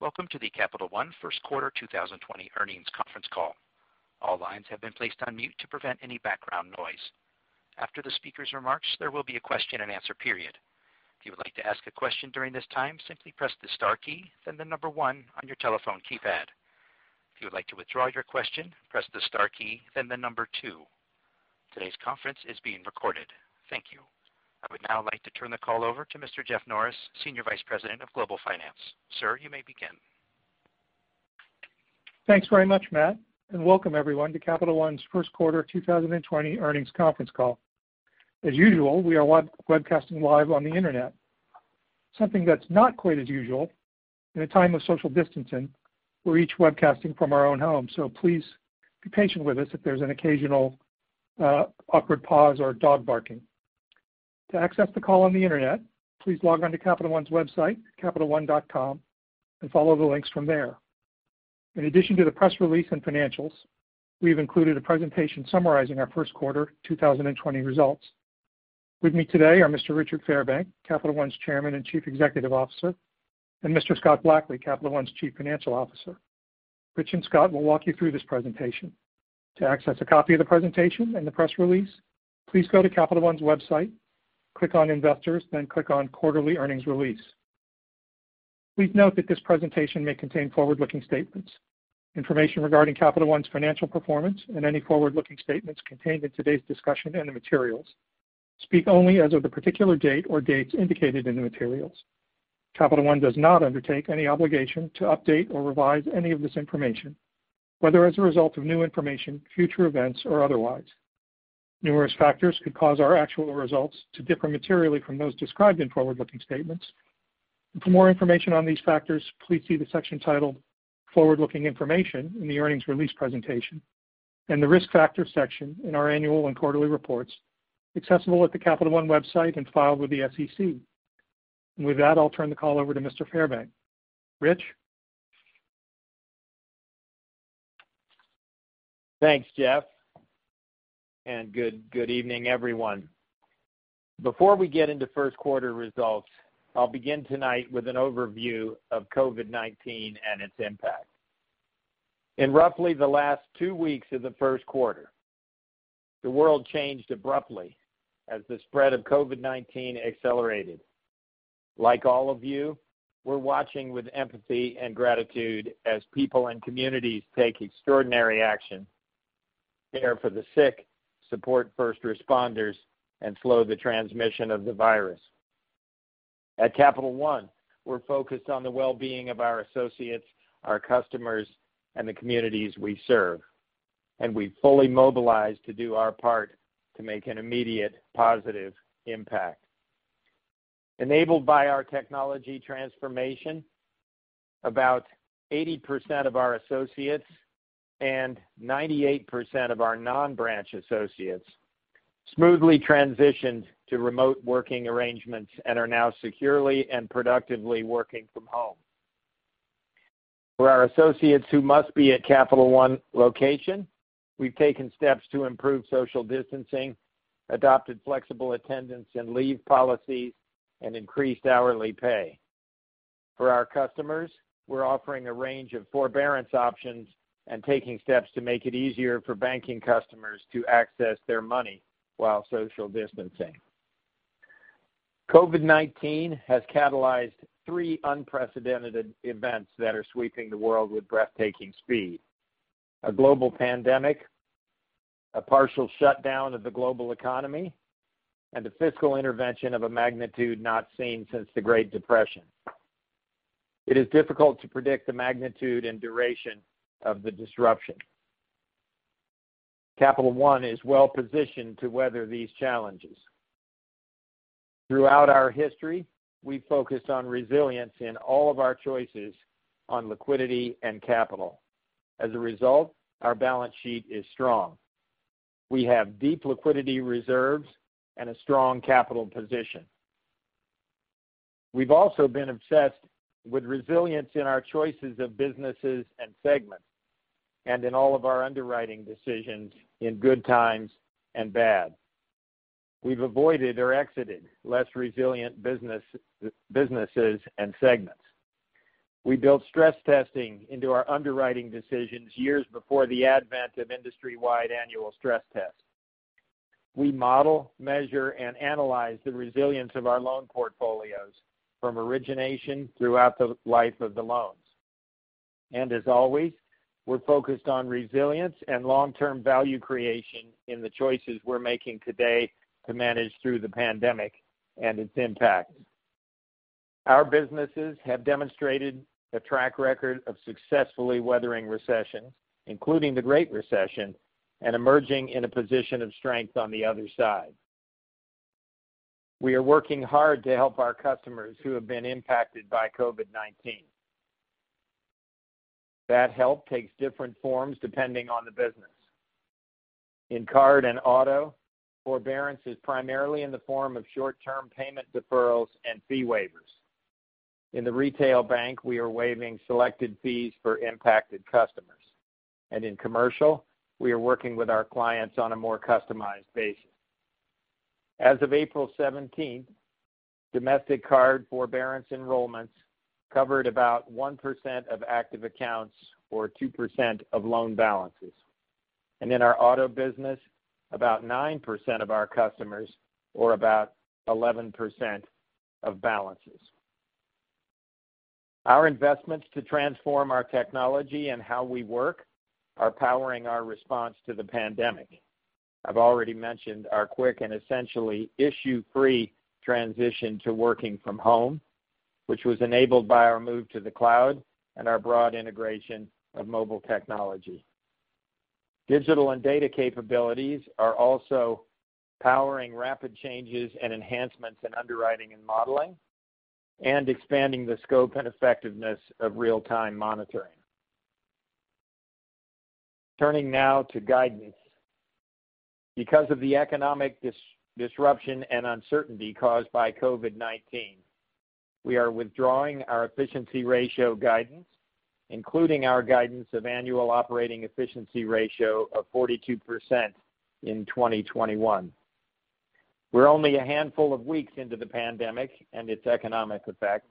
Welcome to the Capital One First Quarter 2020 Earnings Conference Call. All lines have been placed on mute to prevent any background noise. After the speaker's remarks, there will be a question and answer period. If you would like to ask a question during this time, simply press the star key, then the number one on your telephone keypad. If you would like to withdraw your question, press the star key, then the number two. Today's conference is being recorded. Thank you. I would now like to turn the call over to Mr. Jeff Norris, Senior Vice President of Global Finance. Sir, you may begin. Thanks very much, Matt, and welcome everyone to Capital One's First Quarter 2020 Earnings Conference Call. As usual, we are webcasting live on the internet. Something that's not quite as usual in a time of social distancing, we're each webcasting from our own home, so please be patient with us if there's an occasional awkward pause or a dog barking. To access the call on the internet, please log on to Capital One's website, capitalone.com, and follow the links from there. In addition to the press release and financials, we've included a presentation summarizing our first quarter 2020 results. With me today are Mr. Richard Fairbank, Capital One's Chairman and Chief Executive Officer, and Mr. Scott Blackley, Capital One's Chief Financial Officer. Rich and Scott will walk you through this presentation. To access a copy of the presentation and the press release, please go to Capital One's website, click on Investors, then click on Quarterly Earnings Release. Please note that this presentation may contain forward-looking statements. Information regarding Capital One's financial performance and any forward-looking statements contained in today's discussion and the materials speak only as of the particular date or dates indicated in the materials. Capital One does not undertake any obligation to update or revise any of this information, whether as a result of new information, future events, or otherwise. Numerous factors could cause our actual results to differ materially from those described in forward-looking statements. For more information on these factors, please see the section titled Forward-Looking Information in the earnings release presentation and the Risk Factors section in our annual and quarterly reports, accessible at the Capital One website and filed with the SEC. With that, I'll turn the call over to Mr. Fairbank. Rich? Thanks, Jeff. Good evening, everyone. Before we get into first quarter results, I'll begin tonight with an overview of COVID-19 and its impact. In roughly the last two weeks of the first quarter, the world changed abruptly as the spread of COVID-19 accelerated. Like all of you, we're watching with empathy and gratitude as people and communities take extraordinary action to care for the sick, support first responders, and slow the transmission of the virus. At Capital One, we're focused on the well-being of our associates, our customers, and the communities we serve, and we've fully mobilized to do our part to make an immediate positive impact. Enabled by our technology transformation, about 80% of our associates and 98% of our non-branch associates smoothly transitioned to remote working arrangements and are now securely and productively working from home. For our associates who must be at a Capital One location, we've taken steps to improve social distancing, adopted flexible attendance and leave policies, and increased hourly pay. For our customers, we're offering a range of forbearance options and taking steps to make it easier for banking customers to access their money while social distancing. COVID-19 has catalyzed three unprecedented events that are sweeping the world with breathtaking speed. A global pandemic, a partial shutdown of the global economy, and the fiscal intervention of a magnitude not seen since the Great Depression. It is difficult to predict the magnitude and duration of the disruption. Capital One is well-positioned to weather these challenges. Throughout our history, we've focused on resilience in all of our choices on liquidity and capital. As a result, our balance sheet is strong. We have deep liquidity reserves and a strong capital position. We've also been obsessed with resilience in our choices of businesses and segments, and in all of our underwriting decisions in good times and bad. We've avoided or exited less resilient businesses and segments. We built stress testing into our underwriting decisions years before the advent of industry-wide annual stress tests. We model, measure, and analyze the resilience of our loan portfolios from origination throughout the life of the loans. As always, we're focused on resilience and long-term value creation in the choices we're making today to manage through the pandemic and its impact. Our businesses have demonstrated a track record of successfully weathering recessions, including the Great Recession, and emerging in a position of strength on the other side. We are working hard to help our customers who have been impacted by COVID-19. That help takes different forms depending on the business. In card and auto, forbearance is primarily in the form of short-term payment deferrals and fee waivers. In the retail bank, we are waiving selected fees for impacted customers. In commercial, we are working with our clients on a more customized basis. As of April 17th, domestic card forbearance enrollments covered about 1% of active accounts or 2% of loan balances. In our auto business, about 9% of our customers or about 11% of balances. Our investments to transform our technology and how we work are powering our response to the pandemic. I've already mentioned our quick and essentially issue-free transition to working from home, which was enabled by our move to the cloud and our broad integration of mobile technology. Digital and data capabilities are also powering rapid changes and enhancements in underwriting and modeling and expanding the scope and effectiveness of real-time monitoring. Turning now to guidance. Because of the economic disruption and uncertainty caused by COVID-19, we are withdrawing our efficiency ratio guidance, including our guidance of annual operating efficiency ratio of 42% in 2021. We're only a handful of weeks into the pandemic and its economic effect,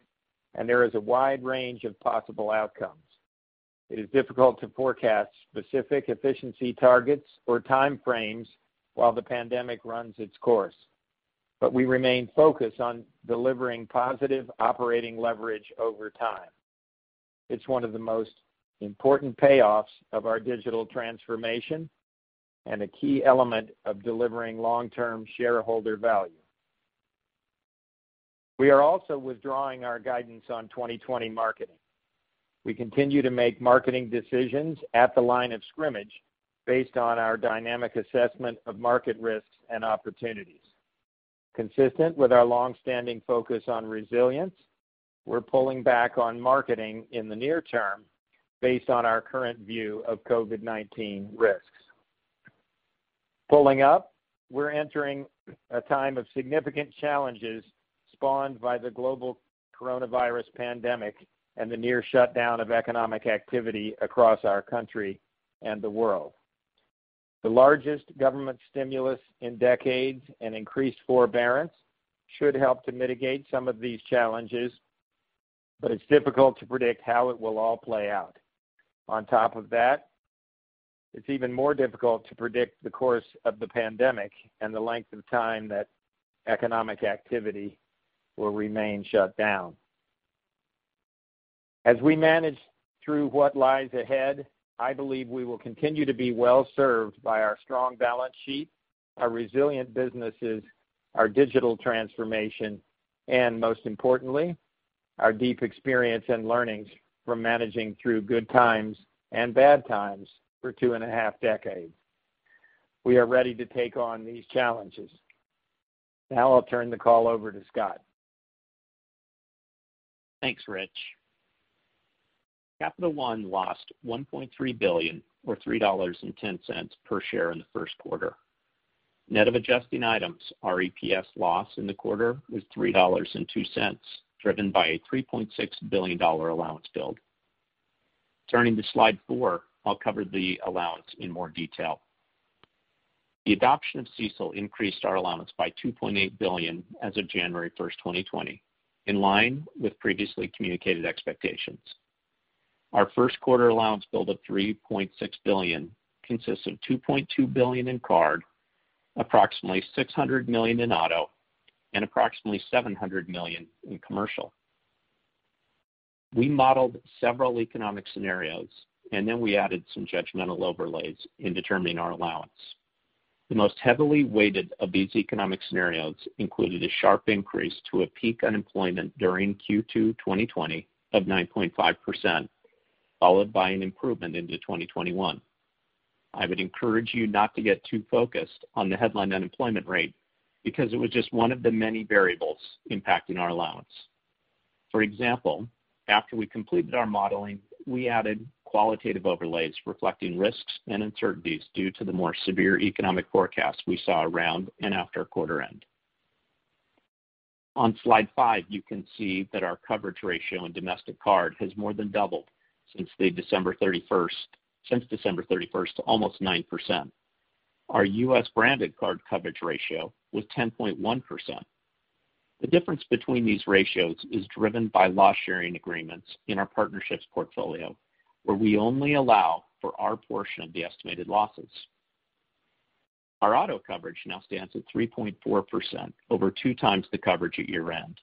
and there is a wide range of possible outcomes. It is difficult to forecast specific efficiency targets or time frames while the pandemic runs its course. We remain focused on delivering positive operating leverage over time. It's one of the most important payoffs of our digital transformation and a key element of delivering long-term shareholder value. We are also withdrawing our guidance on 2020 marketing. We continue to make marketing decisions at the line of scrimmage based on our dynamic assessment of market risks and opportunities. Consistent with our long-standing focus on resilience, we're pulling back on marketing in the near term based on our current view of COVID-19 risks. Pulling up, we're entering a time of significant challenges spawned by the global coronavirus pandemic and the near shutdown of economic activity across our country and the world. The largest government stimulus in decades and increased forbearance should help to mitigate some of these challenges, but it's difficult to predict how it will all play out. On top of that, it's even more difficult to predict the course of the pandemic and the length of time that economic activity will remain shut down. As we manage through what lies ahead, I believe we will continue to be well-served by our strong balance sheet, our resilient businesses, our digital transformation, and most importantly, our deep experience and learnings from managing through good times and bad times for two and a half decades. We are ready to take on these challenges. Now I'll turn the call over to Scott. Thanks, Rich. Capital One lost $1.3 billion or $3.10 per share in the first quarter. Net of adjusting items, our EPS loss in the quarter was $3.02, driven by a $3.6 billion allowance build. Turning to slide 4, I'll cover the allowance in more detail. The adoption of CECL increased our allowance by $2.8 billion as of January 1st, 2020, in line with previously communicated expectations. Our first quarter allowance build of $3.6 billion consists of $2.2 billion in card, approximately $600 million in auto, and approximately $700 million in commercial. We modeled several economic scenarios, and then we added some judgmental overlays in determining our allowance. The most heavily weighted of these economic scenarios included a sharp increase to a peak unemployment during Q2 2020 of 9.5%, followed by an improvement into 2021. I would encourage you not to get too focused on the headline unemployment rate because it was just one of the many variables impacting our allowance. For example, after we completed our modeling, we added qualitative overlays reflecting risks and uncertainties due to the more severe economic forecast we saw around and after quarter end. On slide 5, you can see that our coverage ratio in domestic card has more than doubled since December 31st to almost 9%. Our U.S.-branded card coverage ratio was 10.1%. The difference between these ratios is driven by loss-sharing agreements in our partnerships portfolio, where we only allow for our portion of the estimated losses. Our auto coverage now stands at 3.4%, over 2x the coverage at year-end,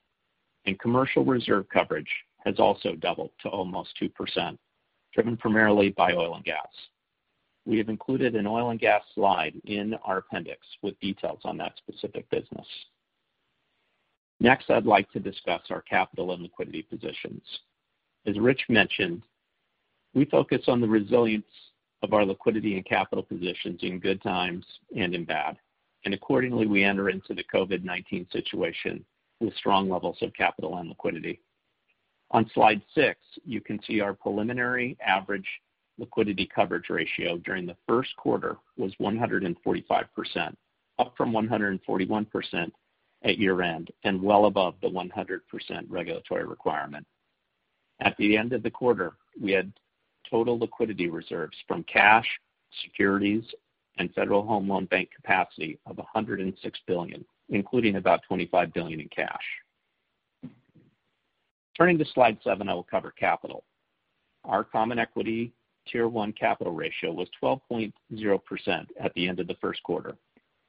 and commercial reserve coverage has also doubled to almost 2%, driven primarily by oil and gas. We have included an oil and gas slide in our appendix with details on that specific business. Next, I'd like to discuss our capital and liquidity positions. As Rich mentioned, we focus on the resilience of our liquidity and capital positions in good times and in bad, and accordingly, we enter into the COVID-19 situation with strong levels of capital and liquidity. On slide 6, you can see our preliminary average liquidity coverage ratio during the first quarter was 145%, up from 141% at year-end and well above the 100% regulatory requirement. At the end of the quarter, we had total liquidity reserves from cash, securities, and Federal Home Loan Bank capacity of $106 billion, including about $25 billion in cash. Turning to slide 7, I will cover capital. Our Common Equity Tier 1 capital ratio was 12.0% at the end of the first quarter,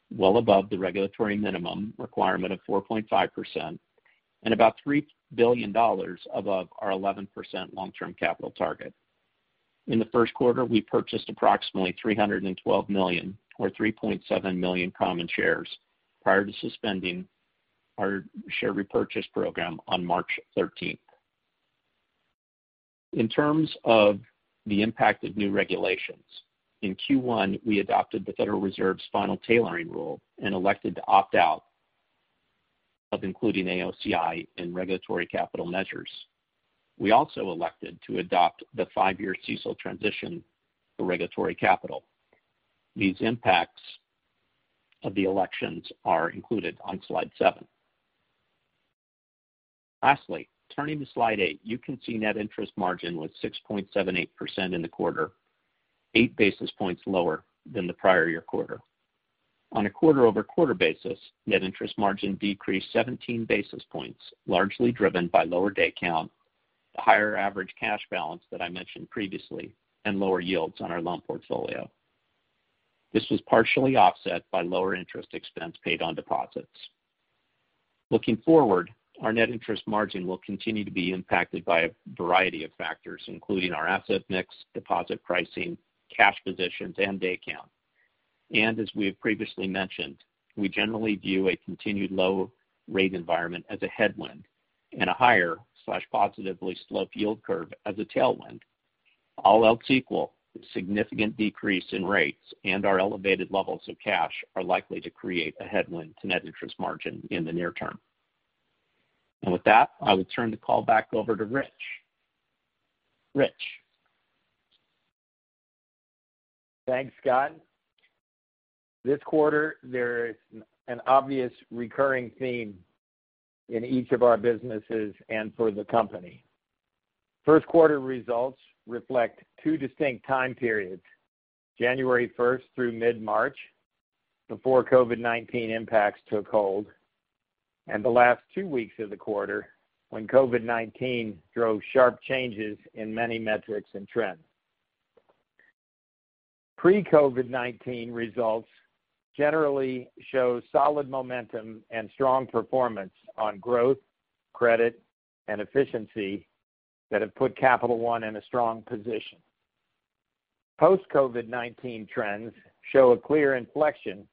well above the regulatory minimum requirement of 4.5%, and about $3 billion above our 11% long-term capital target. In the first quarter, we purchased approximately $312 million or 3.7 million common shares prior to suspending our share repurchase program on March 13th. In terms of the impact of new regulations, in Q1, we adopted the Federal Reserve's final tailoring rule and elected to opt out of including AOCI in regulatory capital measures. We also elected to adopt the five-year CECL transition for regulatory capital. These impacts of the elections are included on slide seven. Lastly, turning to slide 8, you can see net interest margin was 6.78% in the quarter, eight basis points lower than the prior year quarter. On a quarter-over-quarter basis, net interest margin decreased 17 basis points, largely driven by lower day count, the higher average cash balance that I mentioned previously, and lower yields on our loan portfolio. This was partially offset by lower interest expense paid on deposits. Looking forward, our net interest margin will continue to be impacted by a variety of factors, including our asset mix, deposit pricing, cash positions, and day count. As we have previously mentioned, we generally view a continued low rate environment as a headwind and a higher/positively sloped yield curve as a tailwind. All else equal, significant decrease in rates and our elevated levels of cash are likely to create a headwind to net interest margin in the near term. With that, I would turn the call back over to Rich. Rich? Thanks, Scott. This quarter there is an obvious recurring theme in each of our businesses and for the company. First quarter results reflect two distinct time periods, January 1st through mid-March, before COVID-19 impacts took hold, and the last two weeks of the quarter, when COVID-19 drove sharp changes in many metrics and trends. Pre-COVID-19 results generally show solid momentum and strong performance on growth, credit, and efficiency that have put Capital One in a strong position. Post-COVID-19 trends show a clear inflection,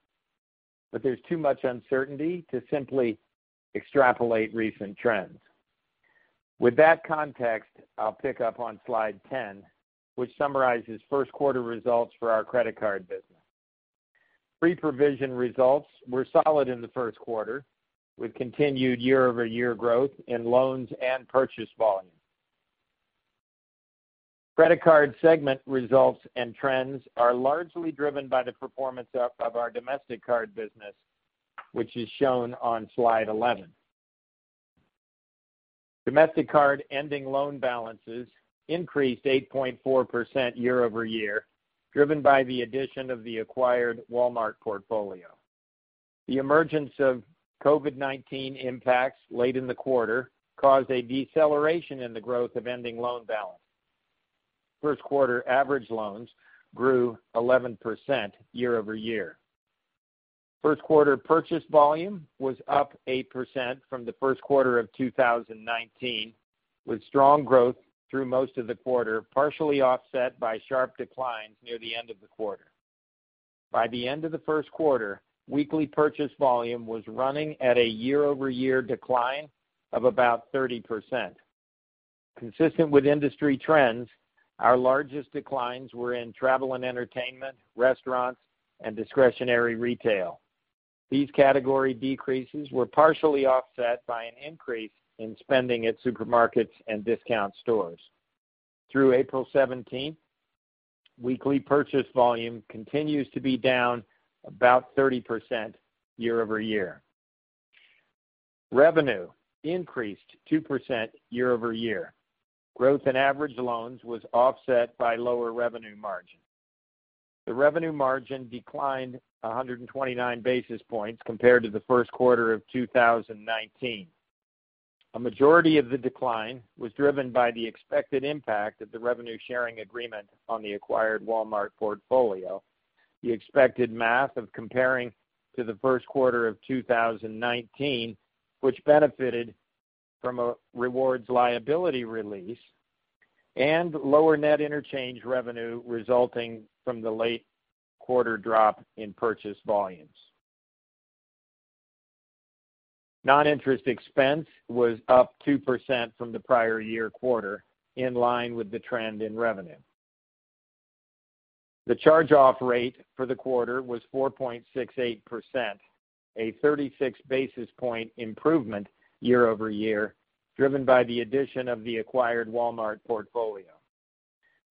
but there's too much uncertainty to simply extrapolate recent trends. With that context, I'll pick up on slide 10, which summarizes first quarter results for our credit card business. Pre-provision results were solid in the first quarter, with continued year-over-year growth in loans and purchase volume. Credit card segment results and trends are largely driven by the performance of our domestic card business, which is shown on slide 11. Domestic card ending loan balances increased 8.4% year-over-year, driven by the addition of the acquired Walmart portfolio. The emergence of COVID-19 impacts late in the quarter caused a deceleration in the growth of ending loan balance. First quarter average loans grew 11% year-over-year. First quarter purchase volume was up 8% from the first quarter of 2019, with strong growth through most of the quarter, partially offset by sharp declines near the end of the quarter. By the end of the first quarter, weekly purchase volume was running at a year-over-year decline of about 30%. Consistent with industry trends, our largest declines were in travel and entertainment, restaurants, and discretionary retail. These category decreases were partially offset by an increase in spending at supermarkets and discount stores. Through April 17th, weekly purchase volume continues to be down about 30% year-over-year. Revenue increased 2% year-over-year. Growth in average loans was offset by lower revenue margin. The revenue margin declined 129 basis points compared to the first quarter of 2019. A majority of the decline was driven by the expected impact of the revenue-sharing agreement on the acquired Walmart portfolio, the expected math of comparing to the first quarter of 2019, which benefited from a rewards liability release, and lower net interchange revenue resulting from the late quarter drop in purchase volumes. Non-interest expense was up 2% from the prior year quarter, in line with the trend in revenue. The charge-off rate for the quarter was 4.68%, a 36 basis points improvement year-over-year, driven by the addition of the acquired Walmart portfolio.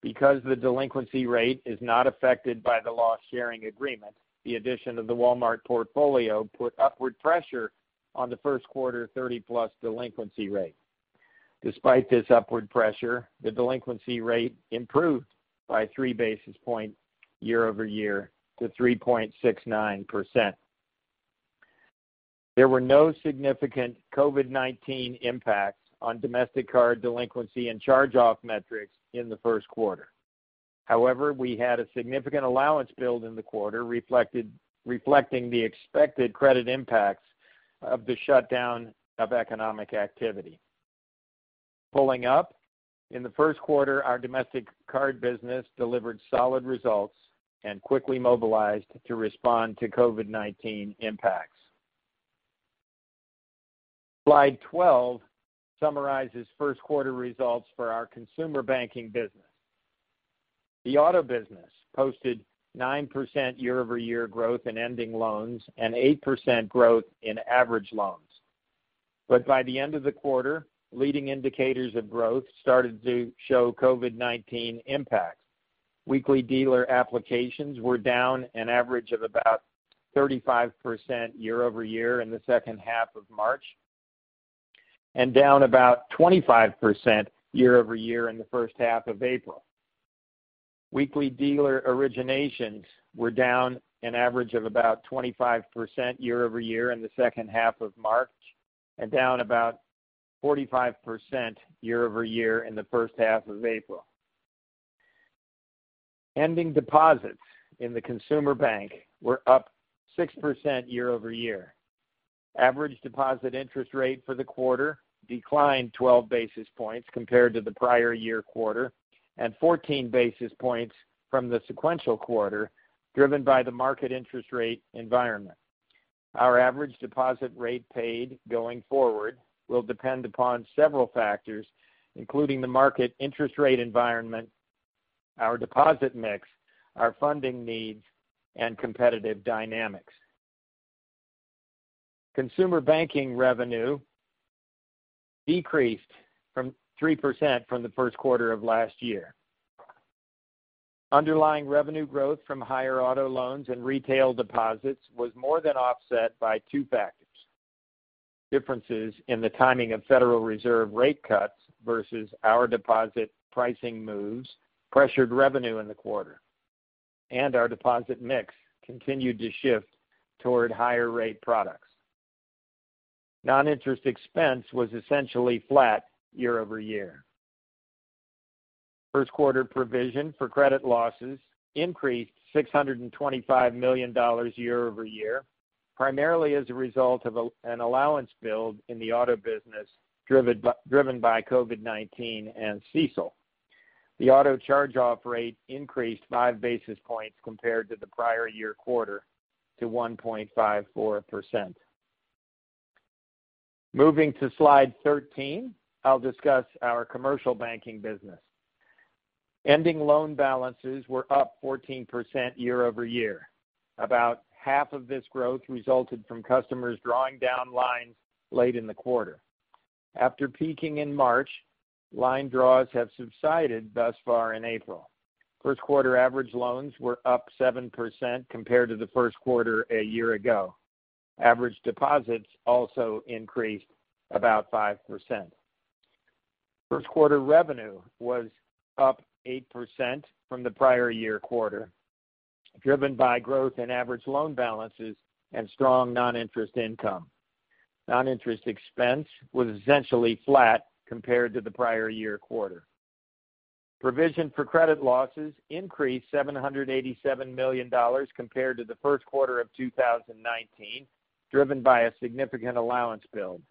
Because the delinquency rate is not affected by the loss-sharing agreement, the addition of the Walmart portfolio put upward pressure on the first quarter 30-plus delinquency rate. Despite this upward pressure, the delinquency rate improved by three basis points year-over-year to 3.69%. There were no significant COVID-19 impacts on domestic card delinquency and charge-off metrics in the first quarter. However, we had a significant allowance build in the quarter, reflecting the expected credit impacts of the shutdown of economic activity. Pulling up. In the first quarter, our domestic card business delivered solid results and quickly mobilized to respond to COVID-19 impacts. Slide 12 summarizes first quarter results for our consumer banking business. The auto business posted 9% year-over-year growth in ending loans and 8% growth in average loans. By the end of the quarter, leading indicators of growth started to show COVID-19 impacts. Weekly dealer applications were down an average of about 35% year-over-year in the second half of March, and down about 25% year-over-year in the first half of April. Weekly dealer originations were down an average of about 25% year-over-year in the second half of March, and down about 45% year-over-year in the first half of April. Ending deposits in the consumer bank were up 6% year-over-year. Average deposit interest rate for the quarter declined 12 basis points compared to the prior year quarter, and 14 basis points from the sequential quarter, driven by the market interest rate environment. Our average deposit rate paid going forward will depend upon several factors, including the market interest rate environment, our deposit mix, our funding needs, and competitive dynamics. Consumer banking revenue decreased from 3% from the first quarter of last year. Underlying revenue growth from higher auto loans and retail deposits was more than offset by two factors. Differences in the timing of Federal Reserve rate cuts versus our deposit pricing moves pressured revenue in the quarter. Our deposit mix continued to shift toward higher rate products. Non-interest expense was essentially flat year-over-year. First quarter provision for credit losses increased $625 million year-over-year, primarily as a result of an allowance build in the auto business driven by COVID-19 and CECL. The auto charge-off rate increased five basis points compared to the prior year quarter to 1.54%. Moving to slide 13, I'll discuss our commercial banking business. Ending loan balances were up 14% year-over-year. About half of this growth resulted from customers drawing down lines late in the quarter. After peaking in March, line draws have subsided thus far in April. First quarter average loans were up 7% compared to the first quarter a year ago. Average deposits also increased about 5%. First quarter revenue was up 8% from the prior year quarter, driven by growth in average loan balances and strong non-interest income. Non-interest expense was essentially flat compared to the prior year quarter. Provision for credit losses increased $787 million compared to the first quarter of 2019, driven by a significant allowance build.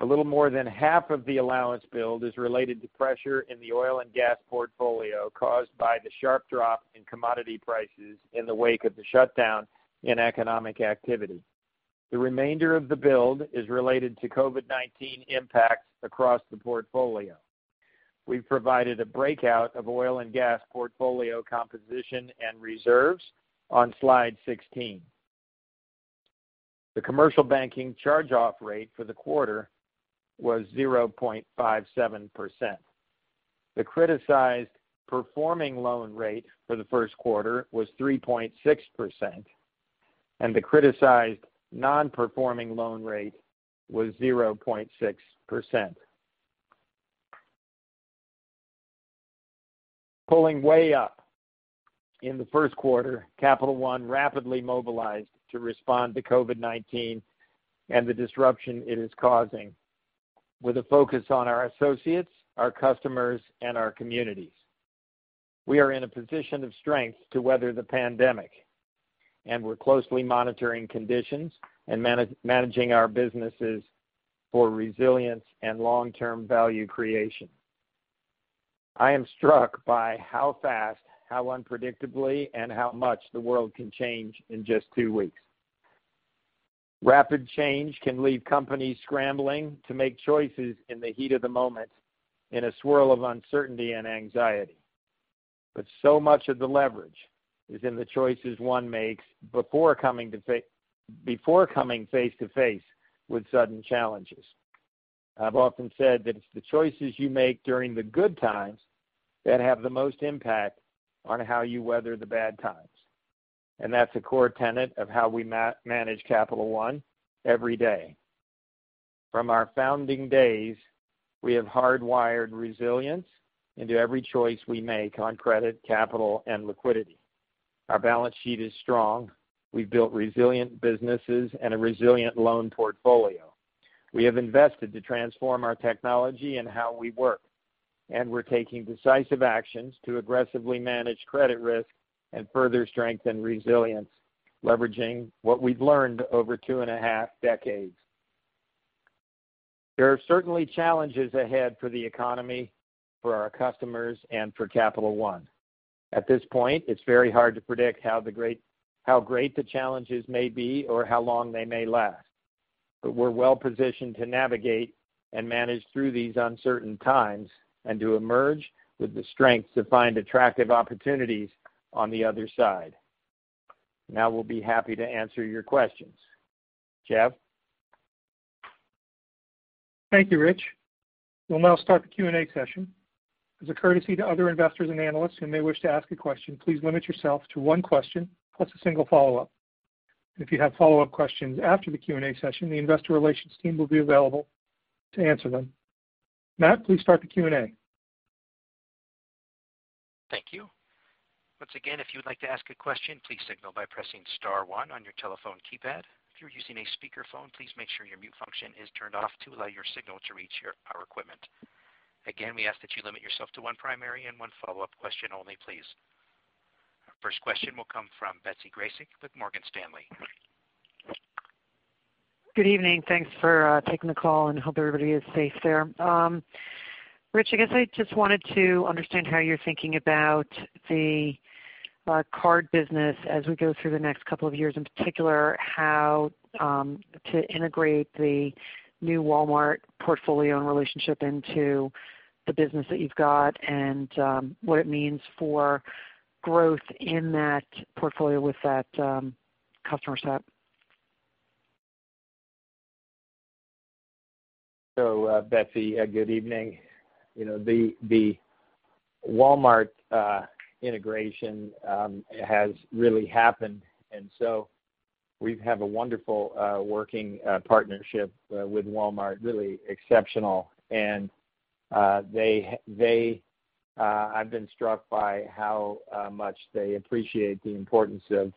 A little more than half of the allowance build is related to pressure in the oil and gas portfolio caused by the sharp drop in commodity prices in the wake of the shutdown in economic activity. The remainder of the build is related to COVID-19 impacts across the portfolio. We've provided a breakout of oil and gas portfolio composition and reserves on slide 16. The commercial banking charge-off rate for the quarter was 0.57%. The criticized performing loan rate for the first quarter was 3.6%, and the criticized non-performing loan rate was 0.6%. Pulling way up. In the first quarter, Capital One rapidly mobilized to respond to COVID-19 and the disruption it is causing with a focus on our associates, our customers, and our communities. We are in a position of strength to weather the pandemic, and we're closely monitoring conditions and managing our businesses for resilience and long-term value creation. I am struck by how fast, how unpredictably, and how much the world can change in just two weeks. Rapid change can leave companies scrambling to make choices in the heat of the moment in a swirl of uncertainty and anxiety. So much of the leverage is in the choices one makes before coming face to face with sudden challenges. I've often said that it's the choices you make during the good times that have the most impact on how you weather the bad times. That's a core tenet of how we manage Capital One every day. From our founding days, we have hardwired resilience into every choice we make on credit, capital, and liquidity. Our balance sheet is strong. We've built resilient businesses and a resilient loan portfolio. We have invested to transform our technology and how we work, and we're taking decisive actions to aggressively manage credit risk and further strengthen resilience, leveraging what we've learned over two and a half decades. There are certainly challenges ahead for the economy, for our customers, and for Capital One. At this point, it's very hard to predict how great the challenges may be or how long they may last. We're well-positioned to navigate and manage through these uncertain times, and to emerge with the strength to find attractive opportunities on the other side. We'll be happy to answer your questions. Jeff? Thank you, Rich. We'll now start the Q&A session. As a courtesy to other investors and analysts who may wish to ask a question, please limit yourself to one question plus a single follow-up. If you have follow-up questions after the Q&A session, the investor relations team will be available to answer them. Matt, please start the Q&A. Thank you. Once again, if you would like to ask a question, please signal by pressing star one on your telephone keypad. If you are using a speakerphone, please make sure your mute function is turned off to allow your signal to reach our equipment. Again, we ask that you limit yourself to one primary and one follow-up question only, please. Our first question will come from Betsy Graseck with Morgan Stanley. Good evening. Thanks for taking the call. Hope everybody is safe there. Rich, I guess I just wanted to understand how you're thinking about the card business as we go through the next couple of years, in particular, how to integrate the new Walmart portfolio and relationship into the business that you've got and what it means for growth in that portfolio with that customer set. Betsy, good evening. The Walmart integration has really happened. We have a wonderful working partnership with Walmart, really exceptional. I've been struck by how much they appreciate the importance of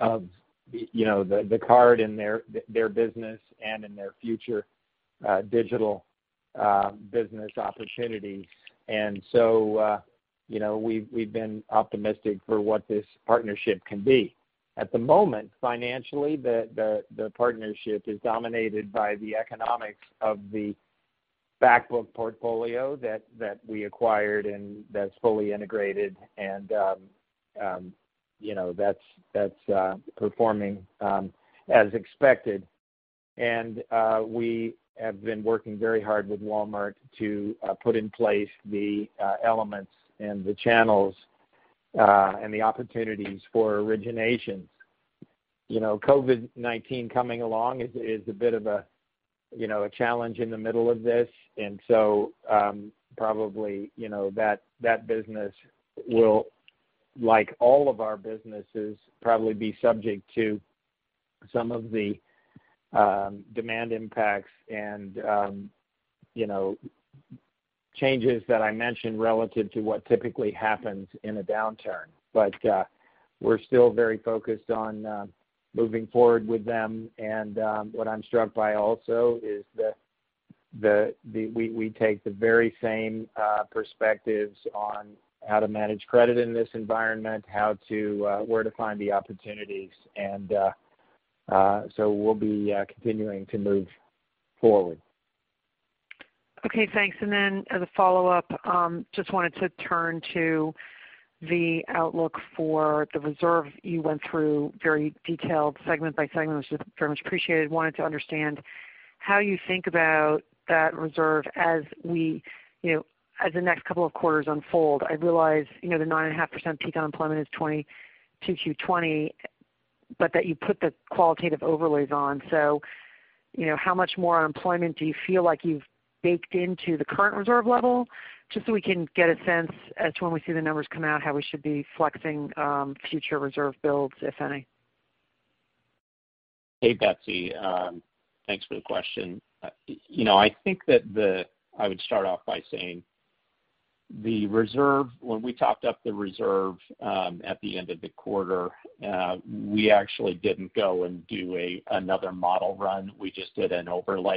the card in their business and in their future digital business opportunities. We've been optimistic for what this partnership can be. At the moment, financially, the partnership is dominated by the economics of the back-book portfolio that we acquired and that's fully integrated, and that's performing as expected. We have been working very hard with Walmart to put in place the elements and the channels, and the opportunities for originations. COVID-19 coming along is a bit of a challenge in the middle of this. Probably that business will, like all of our businesses, probably be subject to some of the demand impacts and changes that I mentioned relative to what typically happens in a downturn. We're still very focused on moving forward with them. What I'm struck by also is that we take the very same perspectives on how to manage credit in this environment, where to find the opportunities. We'll be continuing to move forward. Okay, thanks. As a follow-up, just wanted to turn to the outlook for the reserve. You went through very detailed segment by segment, which is very much appreciated. Wanted to understand how you think about that reserve as the next couple of quarters unfold. I realize the 9.5% peak unemployment is 2020, that you put the qualitative overlays on. How much more unemployment do you feel like you've baked into the current reserve level, just so we can get a sense as when we see the numbers come out, how we should be flexing future reserve builds, if any? Hey, Betsy. Thanks for the question. I think that I would start off by saying when we topped up the reserve at the end of the quarter, we actually didn't go and do another model run. We just did an overlay.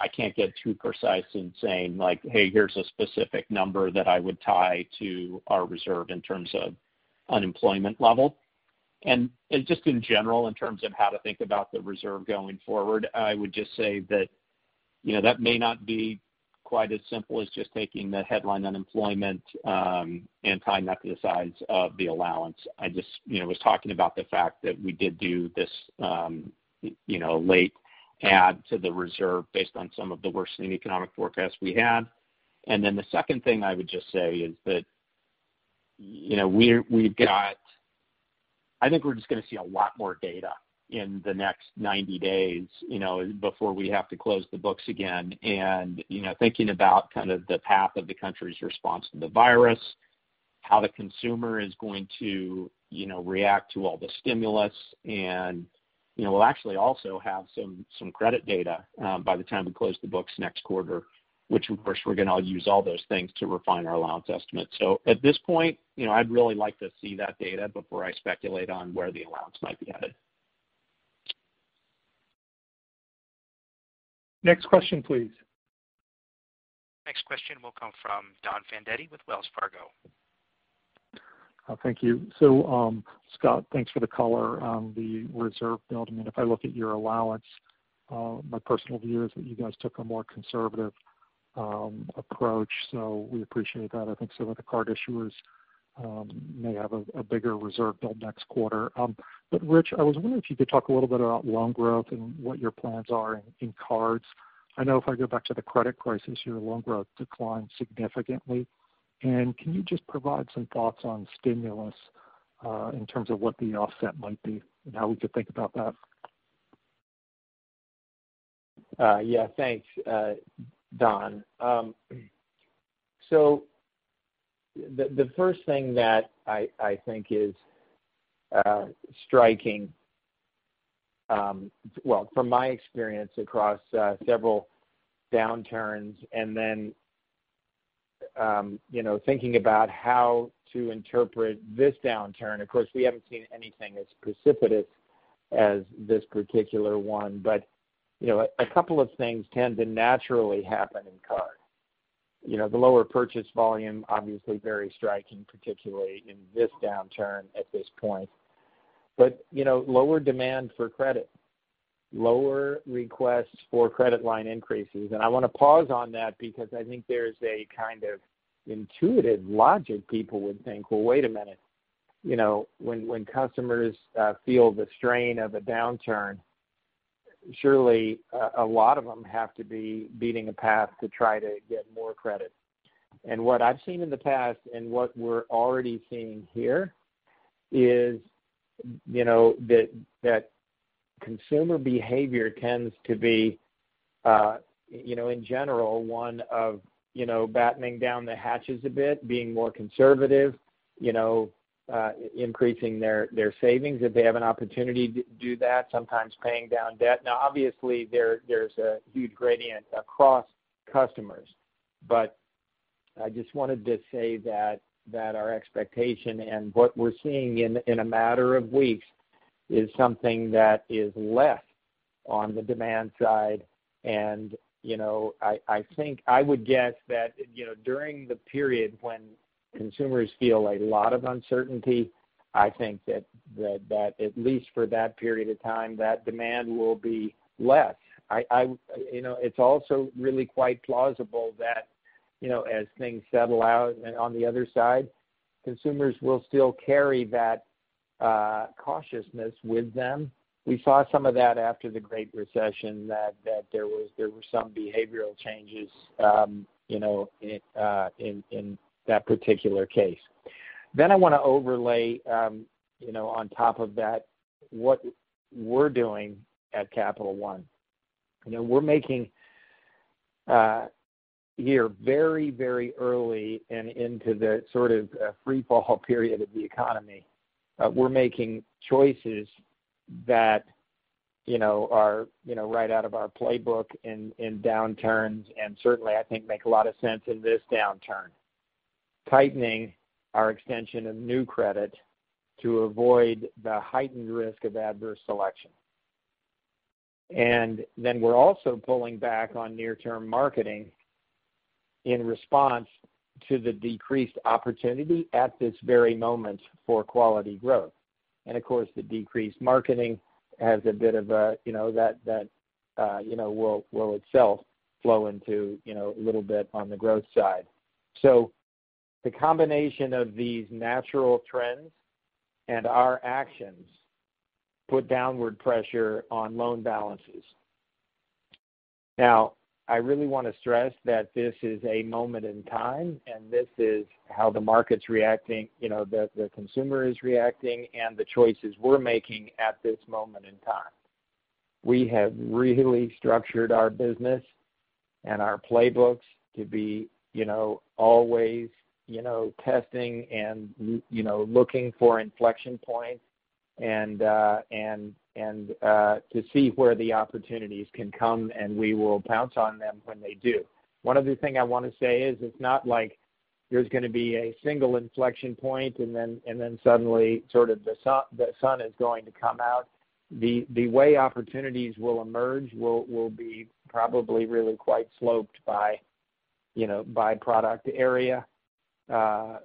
I can't get too precise in saying, like, "Hey, here's a specific number that I would tie to our reserve in terms of unemployment level." Just in general, in terms of how to think about the reserve going forward, I would just say that that may not be quite as simple as just taking the headline unemployment and tying that to the size of the allowance. I just was talking about the fact that we did do this late add to the reserve based on some of the worsening economic forecasts we had. The second thing I would just say is that. I think we're just going to see a lot more data in the next 90 days before we have to close the books again. Thinking about kind of the path of the country's response to the virus, how the consumer is going to react to all the stimulus, and we'll actually also have some credit data by the time we close the books next quarter, which, of course, we're going to use all those things to refine our allowance estimate. At this point, I'd really like to see that data before I speculate on where the allowance might be headed. Next question, please. Next question will come from Don Fandetti with Wells Fargo. Thank you. Scott, thanks for the color on the reserve building. If I look at your allowance, my personal view is that you guys took a more conservative approach, so we appreciate that. I think some of the card issuers may have a bigger reserve build next quarter. Rich, I was wondering if you could talk a little bit about loan growth and what your plans are in cards. I know if I go back to the credit crisis, your loan growth declined significantly. Can you just provide some thoughts on stimulus, in terms of what the offset might be and how we could think about that? Thanks, Don. The first thing that I think is striking, well, from my experience across several downturns and then thinking about how to interpret this downturn. Of course, we haven't seen anything as precipitous as this particular one, but a couple of things tend to naturally happen in card. The lower purchase volume, obviously very striking, particularly in this downturn at this point, lower demand for credit, lower requests for credit line increases. I want to pause on that because I think there's a kind of intuitive logic people would think, "Well, wait a minute. When customers feel the strain of a downturn, surely a lot of them have to be beating a path to try to get more credit. What I've seen in the past and what we're already seeing here is that consumer behavior tends to be, in general, one of battening down the hatches a bit, being more conservative, increasing their savings if they have an opportunity to do that, sometimes paying down debt. Now, obviously, there's a huge gradient across customers. I just wanted to say that our expectation and what we're seeing in a matter of weeks is something that is less on the demand side. I would guess that during the period when consumers feel a lot of uncertainty, I think that at least for that period of time, that demand will be less. It's also really quite plausible that as things settle out on the other side, consumers will still carry that cautiousness with them. We saw some of that after the Great Recession, that there were some behavioral changes in that particular case. I want to overlay on top of that what we're doing at Capital One. Here very early and into the sort of free-fall period of the economy, we're making choices that are right out of our playbook in downturns, and certainly, I think make a lot of sense in this downturn. Tightening our extension of new credit to avoid the heightened risk of adverse selection. We're also pulling back on near-term marketing in response to the decreased opportunity at this very moment for quality growth. Of course, the decreased marketing has a bit of that will itself flow into a little bit on the growth side. The combination of these natural trends and our actions put downward pressure on loan balances. I really want to stress that this is a moment in time, and this is how the market's reacting, the consumer is reacting, and the choices we're making at this moment in time. We have really structured our business and our playbooks to be always testing and looking for inflection points and to see where the opportunities can come, and we will pounce on them when they do. One other thing I want to say is it's not like there's going to be a single inflection point and then suddenly the sun is going to come out. The way opportunities will emerge will be probably really quite sloped by product area.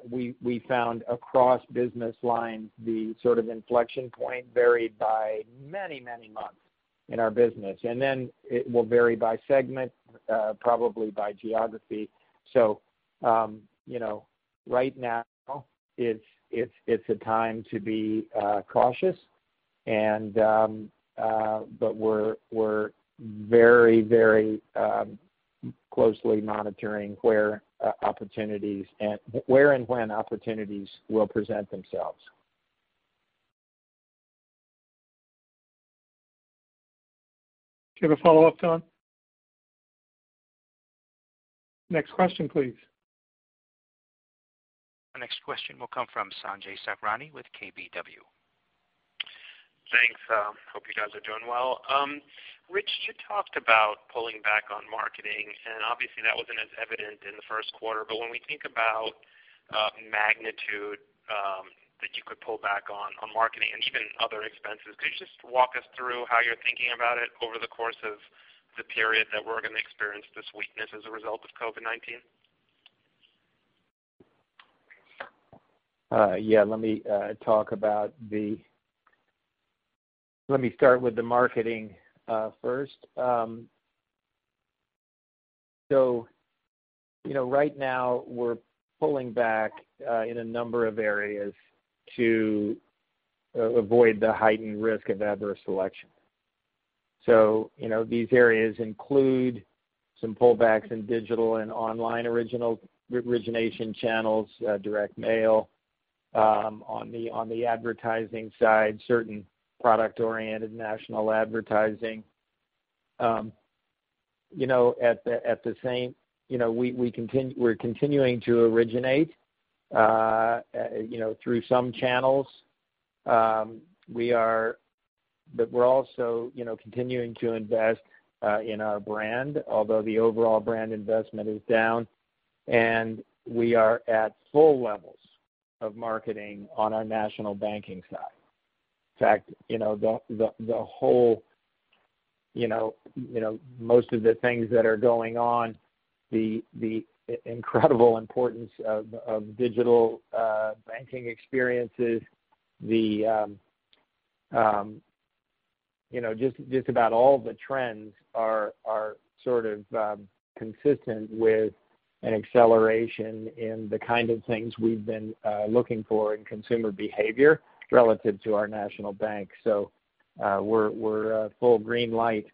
We found across business lines, the sort of inflection point varied by many months in our business. It will vary by segment, probably by geography. Right now it's a time to be cautious. We're very closely monitoring where and when opportunities will present themselves. Do you have a follow-up, Don? Next question, please. Our next question will come from Sanjay Sakhrani with KBW. Thanks. Hope you guys are doing well. Rich, you talked about pulling back on marketing, and obviously, that wasn't as evident in the first quarter. When we think about magnitude that you could pull back on marketing and even other expenses, could you just walk us through how you're thinking about it over the course of the period that we're going to experience this weakness as a result of COVID-19? Yeah. Let me start with the marketing first. Right now we're pulling back in a number of areas to avoid the heightened risk of adverse selection. These areas include some pullbacks in digital and online origination channels, direct mail, on the advertising side, certain product-oriented national advertising. We're continuing to originate through some channels. We're also continuing to invest in our brand, although the overall brand investment is down, and we are at full levels of marketing on our national banking side. In fact, most of the things that are going on, the incredible importance of digital banking experiences, just about all the trends are sort of consistent with an acceleration in the kind of things we've been looking for in consumer behavior relative to our national bank. We're full green light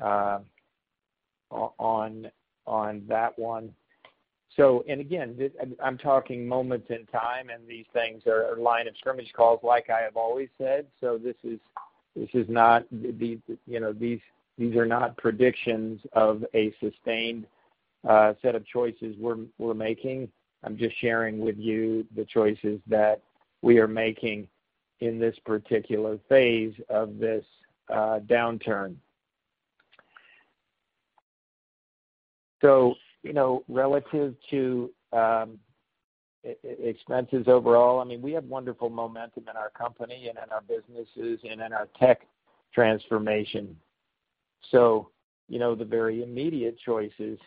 on that one. Again, I'm talking moments in time, and these things are line of scrimmage calls, like I have always said. These are not predictions of a sustained set of choices we're making. I'm just sharing with you the choices that we are making in this particular phase of this downturn. Relative to expenses overall, I mean, we have wonderful momentum in our company and in our businesses and in our tech transformation. The very immediate choices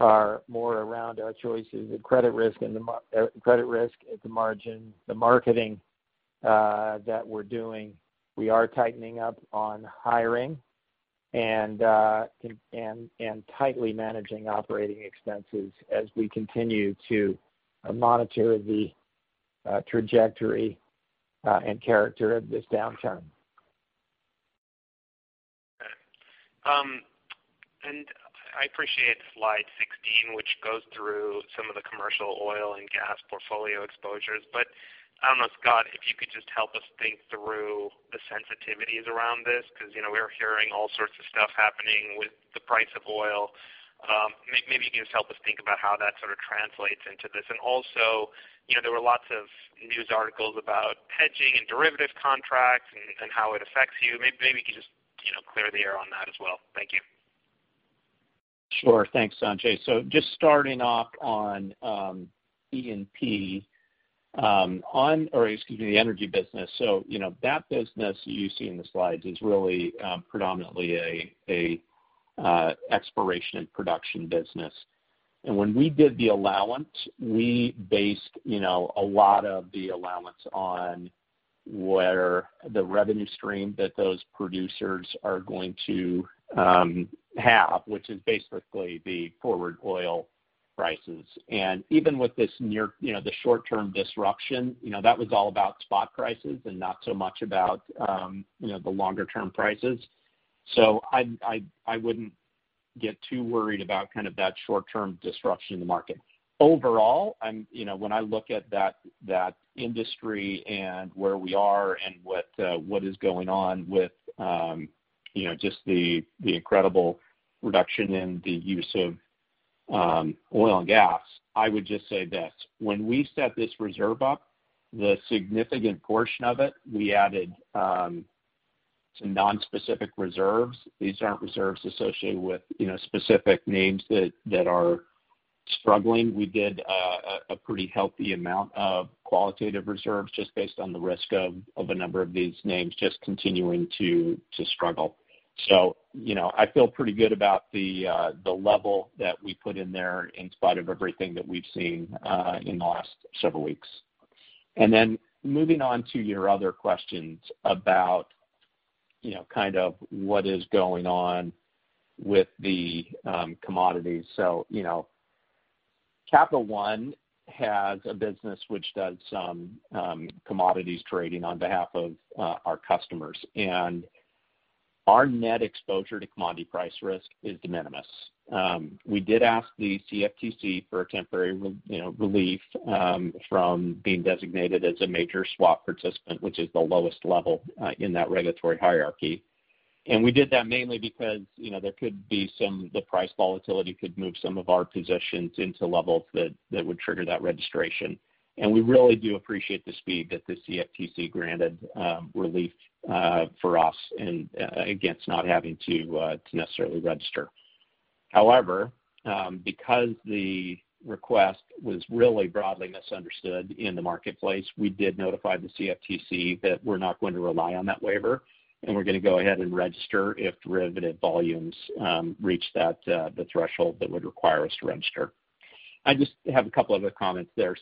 are more around our choices of credit risk at the margin, the marketing that we're doing. We are tightening up on hiring and tightly managing operating expenses as we continue to monitor the trajectory and character of this downturn. I appreciate slide 16, which goes through some of the commercial oil and gas portfolio exposures. I don't know, Scott, if you could just help us think through the sensitivities around this because we're hearing all sorts of stuff happening with the price of oil. Maybe you can just help us think about how that sort of translates into this. Also, there were lots of news articles about hedging and derivative contracts and how it affects you. Maybe you could just clear the air on that as well. Thank you. Sure. Thanks, Sanjay. Just starting off on E&P, the energy business. That business you see in the slides is really predominantly a exploration and production business. When we did the allowance, we based a lot of the allowance on where the revenue stream that those producers are going to have, which is basically the forward oil prices. Even with the short-term disruption, that was all about spot prices and not so much about the longer-term prices. I wouldn't get too worried about that short-term disruption in the market. Overall, when I look at that industry and where we are and what is going on with just the incredible reduction in the use of oil and gas, I would just say this. When we set this reserve up, the significant portion of it, we added some non-specific reserves. These aren't reserves associated with specific names that are struggling. We did a pretty healthy amount of qualitative reserves just based on the risk of a number of these names just continuing to struggle. I feel pretty good about the level that we put in there in spite of everything that we've seen in the last several weeks. Moving on to your other questions about kind of what is going on with the commodities. Capital One has a business which does some commodities trading on behalf of our customers. Our net exposure to commodity price risk is de minimis. We did ask the CFTC for a temporary relief from being designated as a major swap participant, which is the lowest level in that regulatory hierarchy. We did that mainly because the price volatility could move some of our positions into levels that would trigger that registration. We really do appreciate the speed that the CFTC granted relief for us and against not having to necessarily register. However, because the request was really broadly misunderstood in the marketplace, we did notify the CFTC that we're not going to rely on that waiver, and we're going to go ahead and register if derivative volumes reach the threshold that would require us to register. I just have a couple other comments there.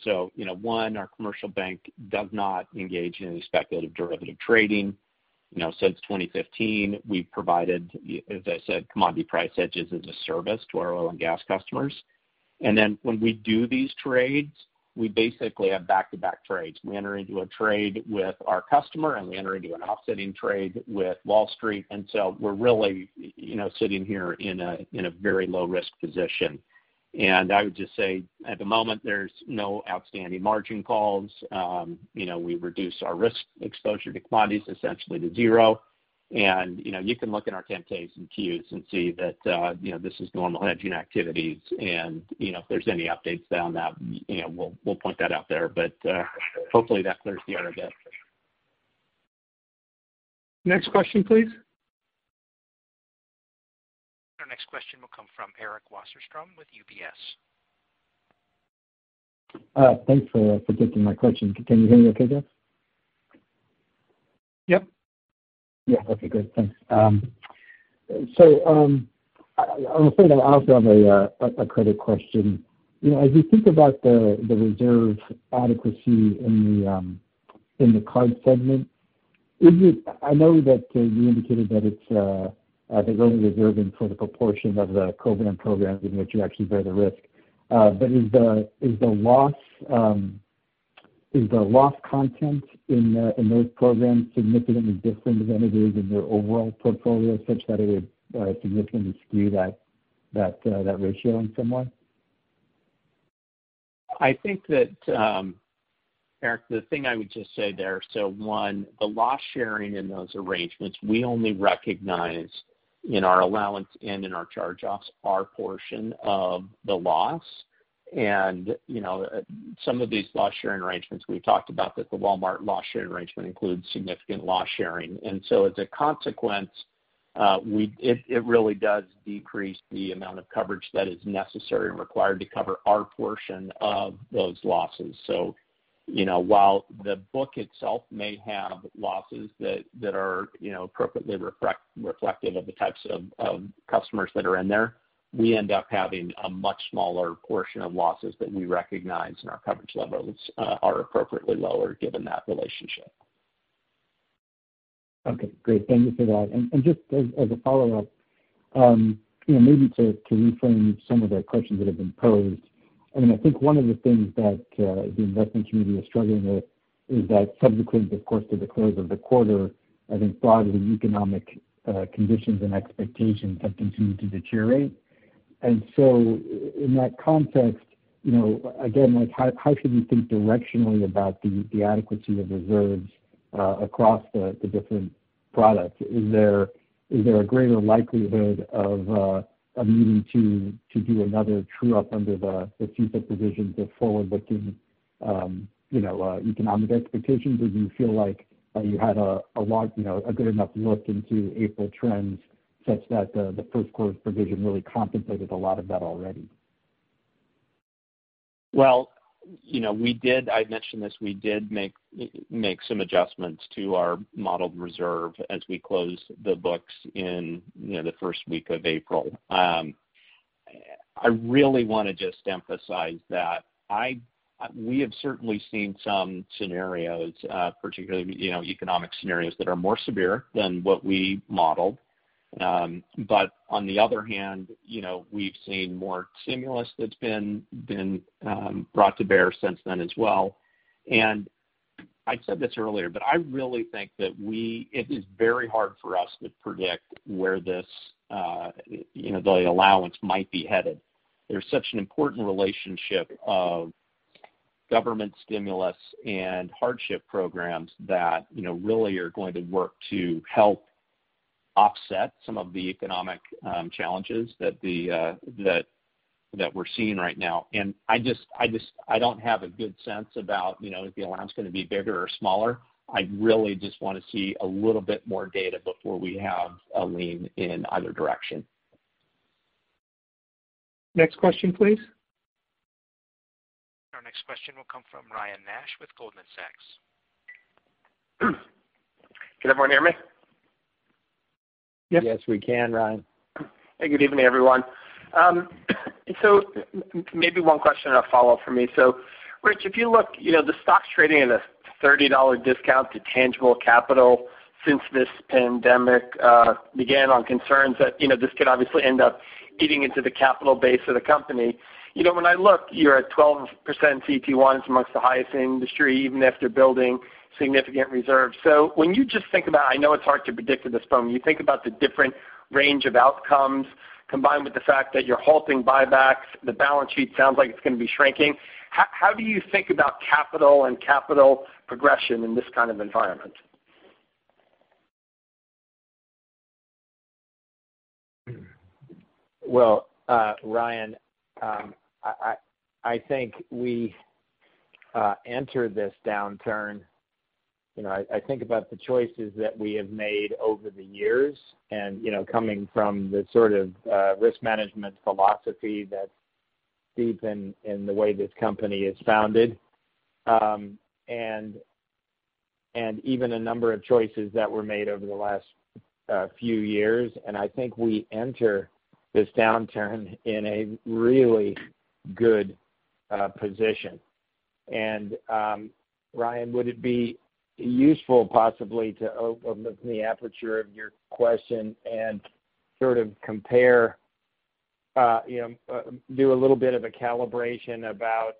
One, our commercial bank does not engage in any speculative derivative trading. Since 2015, we've provided, as I said, commodity price hedges as a service to our oil and gas customers. When we do these trades, we basically have back-to-back trades. We enter into a trade with our customer, and we enter into an offsetting trade with Wall Street. We're really sitting here in a very low-risk position. I would just say, at the moment, there's no outstanding margin calls. We've reduced our risk exposure to commodities essentially to zero. You can look at our 10-Ks and Qs and see that this is normal hedging activities. If there's any updates on that, we'll point that out there. Hopefully that clears the air a bit. Next question, please. Our next question will come from Eric Wasserstrom with UBS. Thanks for taking my question. Can you hear me okay, Jeff? Yep. Okay, good. Thanks. I'll say that I also have a credit question. As you think about the reserve adequacy in the card segment, I know that you indicated that they're only reserving for the proportion of the co-brand programs in which you actually bear the risk. Is the loss content in those programs significantly different than it is in your overall portfolio, such that it would significantly skew that ratio in some way? I think that, Eric, the thing I would just say there, so one, the loss sharing in those arrangements, we only recognize in our allowance and in our charge-offs our portion of the loss. Some of these loss-sharing arrangements, we've talked about that the Walmart loss share arrangement includes significant loss sharing. As a consequence, it really does decrease the amount of coverage that is necessary and required to cover our portion of those losses. While the book itself may have losses that are appropriately reflective of the types of customers that are in there, we end up having a much smaller portion of losses that we recognize, and our coverage levels are appropriately lower given that relationship. Okay, great. Thank you for that. Just as a follow-up, maybe to reframe some of the questions that have been posed. I think one of the things that the investment community is struggling with is that subsequent, of course, to the close of the quarter, I think broadly the economic conditions and expectations have continued to deteriorate. In that context, again, how should we think directionally about the adequacy of reserves across the different products? Is there a greater likelihood of a needing to do another true-up under the CECL provisions of forward-looking economic expectations? Do you feel like you had a good enough look into April trends such that the first quarter's provision really contemplated a lot of that already? Well, I mentioned this, we did make some adjustments to our modeled reserve as we closed the books in the first week of April. I really want to just emphasize that we have certainly seen some scenarios, particularly economic scenarios, that are more severe than what we modeled. On the other hand, we've seen more stimulus that's been brought to bear since then as well. I said this earlier, but I really think that it is very hard for us to predict where the allowance might be headed. There's such an important relationship of government stimulus and hardship programs that really are going to work to help offset some of the economic challenges that we're seeing right now. I don't have a good sense about if the allowance is going to be bigger or smaller. I really just want to see a little bit more data before we have a lean in either direction. Next question, please. Our next question will come from Ryan Nash with Goldman Sachs. Can everyone hear me? Yep. Yes, we can, Ryan. Hey, good evening, everyone. Maybe one question and a follow-up for me. Rich, if you look, the stock's trading at a $30 discount to tangible capital since this pandemic began on concerns that this could obviously end up eating into the capital base of the company. When I look, you're at 12% CET1s, amongst the highest in the industry, even after building significant reserves. When you just think about, I know it's hard to predict at this point, when you think about the different range of outcomes, combined with the fact that you're halting buybacks, the balance sheet sounds like it's going to be shrinking. How do you think about capital and capital progression in this kind of environment? Well, Ryan, I think we entered this downturn I think about the choices that we have made over the years, and coming from the sort of risk management philosophy that's deep in the way this company is founded, and even a number of choices that were made over the last few years. I think we enter this downturn in a really good position. Ryan, would it be useful possibly to open the aperture of your question and sort of compare, do a little bit of a calibration about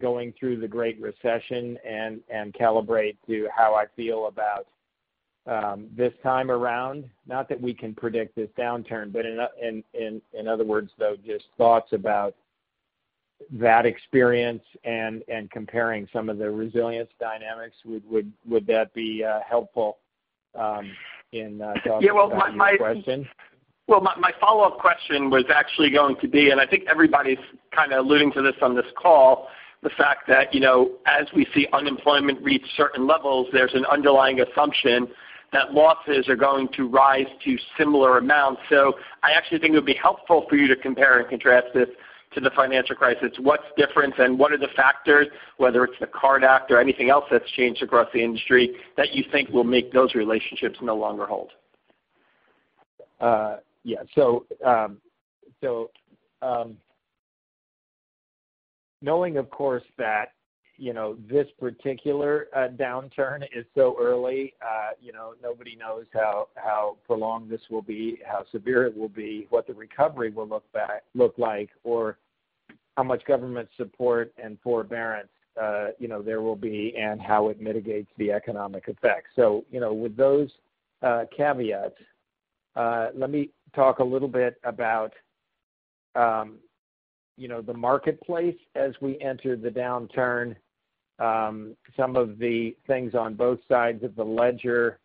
going through the Great Recession and calibrate to how I feel about this time around, not that we can predict this downturn, but in other words, though, just thoughts about that experience and comparing some of the resilience dynamics? Would that be helpful in talking about your question? Well, my follow-up question was actually going to be, and I think everybody's kind of alluding to this on this call, the fact that as we see unemployment reach certain levels, there's an underlying assumption that losses are going to rise to similar amounts. I actually think it would be helpful for you to compare and contrast this to the financial crisis. What's different and what are the factors, whether it's the CARD Act or anything else that's changed across the industry, that you think will make those relationships no longer hold? Yeah. Knowing, of course, that this particular downturn is so early, nobody knows how prolonged this will be, how severe it will be, what the recovery will look like, or how much government support and forbearance there will be and how it mitigates the economic effects. With those caveats, let me talk a little bit about the marketplace as we enter the downturn. Some of the things on both sides of the ledger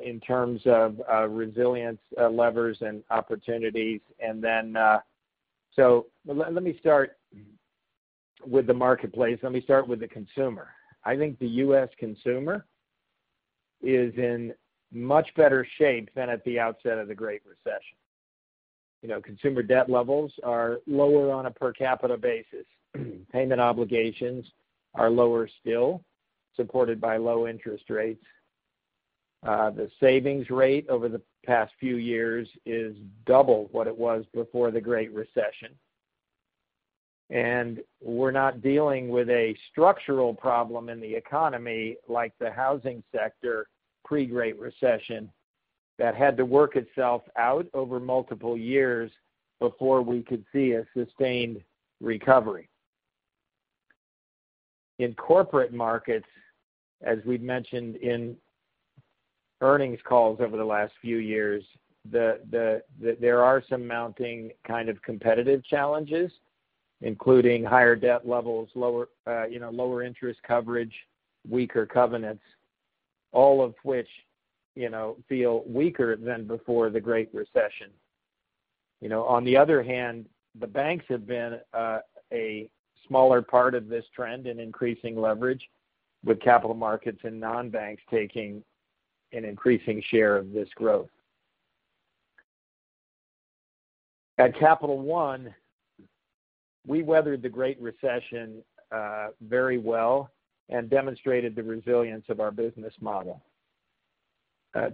in terms of resilience levers and opportunities. Let me start with the marketplace. Let me start with the consumer. I think the U.S. consumer is in much better shape than at the outset of the Great Recession. Consumer debt levels are lower on a per capita basis. Payment obligations are lower still, supported by low interest rates. The savings rate over the past few years is double what it was before the Great Recession. We're not dealing with a structural problem in the economy like the housing sector pre-Great Recession that had to work itself out over multiple years before we could see a sustained recovery. In corporate markets, as we've mentioned in earnings calls over the last few years, there are some mounting kind of competitive challenges, including higher debt levels, lower interest coverage, weaker covenants, all of which feel weaker than before the Great Recession. The banks have been a smaller part of this trend in increasing leverage with capital markets and non-banks taking an increasing share of this growth. At Capital One, we weathered the Great Recession very well and demonstrated the resilience of our business model.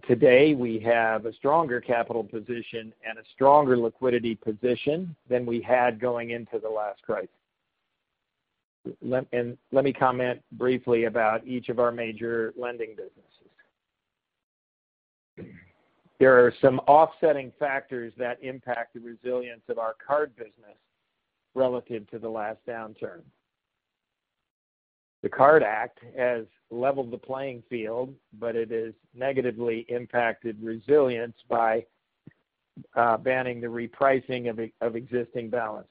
Today, we have a stronger capital position and a stronger liquidity position than we had going into the last crisis. Let me comment briefly about each of our major lending businesses. There are some offsetting factors that impact the resilience of our card business relative to the last downturn. The CARD Act has leveled the playing field, but it has negatively impacted resilience by banning the repricing of existing balances.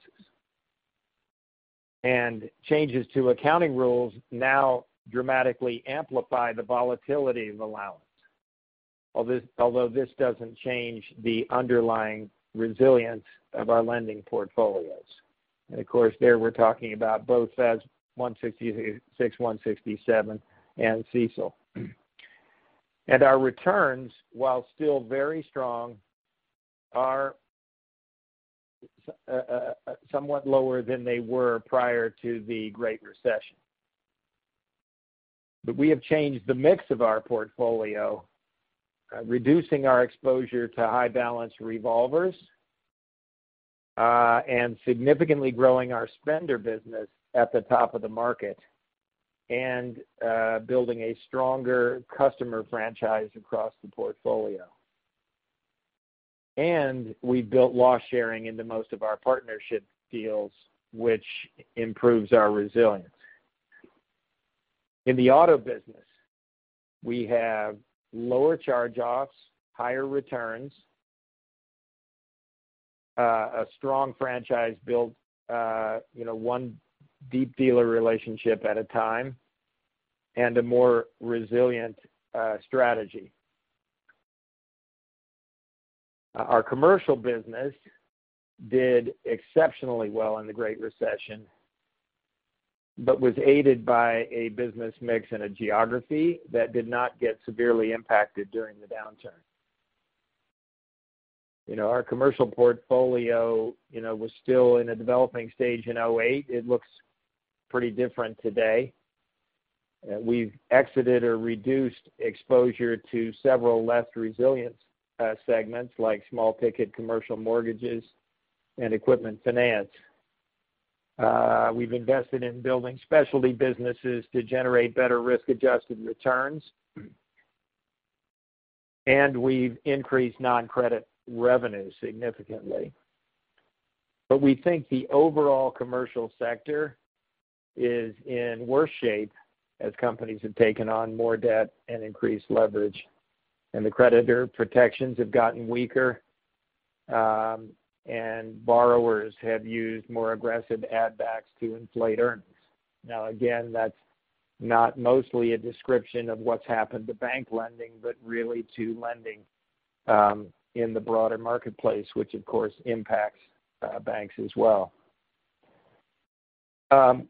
Changes to accounting rules now dramatically amplify the volatility of allowance, although this doesn't change the underlying resilience of our lending portfolios. Of course, there we're talking about both FAS 166, 167, and CECL. Our returns, while still very strong, are somewhat lower than they were prior to the Great Recession. We have changed the mix of our portfolio, reducing our exposure to high balance revolvers, and significantly growing our spender business at the top of the market, and building a stronger customer franchise across the portfolio. We built loss-sharing into most of our partnership deals, which improves our resilience. In the auto business, we have lower charge-offs, higher returns, a strong franchise built one deep dealer relationship at a time, and a more resilient strategy. Our commercial business did exceptionally well in the Great Recession, but was aided by a business mix and a geography that did not get severely impacted during the downturn. Our commercial portfolio was still in a developing stage in 2008. It looks pretty different today. We've exited or reduced exposure to several less resilient segments, like small-ticket commercial mortgages and equipment finance. We've invested in building specialty businesses to generate better risk-adjusted returns. We've increased non-credit revenue significantly. We think the overall commercial sector is in worse shape as companies have taken on more debt and increased leverage, and the creditor protections have gotten weaker, and borrowers have used more aggressive add-backs to inflate earnings. Again, that's not mostly a description of what's happened to bank lending, but really to lending in the broader marketplace, which of course impacts banks as well. No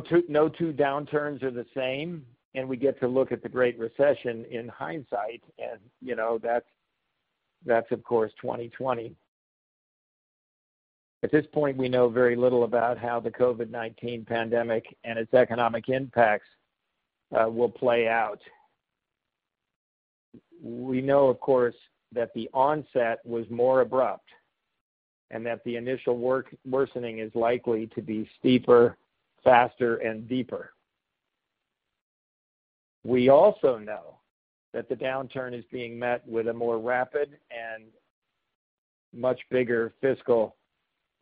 two downturns are the same, and we get to look at the Great Recession in hindsight, and that's of course 20/20. At this point, we know very little about how the COVID-19 pandemic and its economic impacts will play out. We know, of course, that the onset was more abrupt and that the initial worsening is likely to be steeper, faster, and deeper. We also know that the downturn is being met with a more rapid and much bigger fiscal,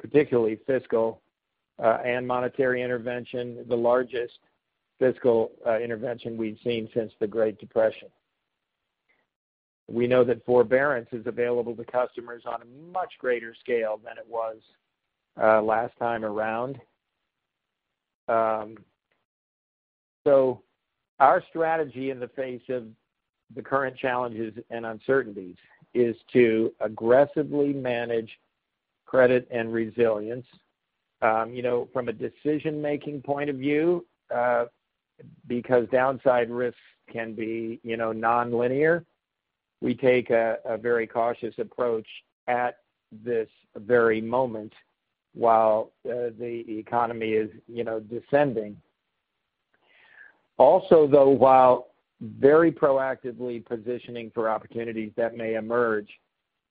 particularly fiscal and monetary intervention, the largest fiscal intervention we've seen since the Great Depression. We know that forbearance is available to customers on a much greater scale than it was last time around. Our strategy in the face of the current challenges and uncertainties is to aggressively manage credit and resilience. From a decision-making point of view because downside risks can be nonlinear, we take a very cautious approach at this very moment while the economy is descending. Also, though, while very proactively positioning for opportunities that may emerge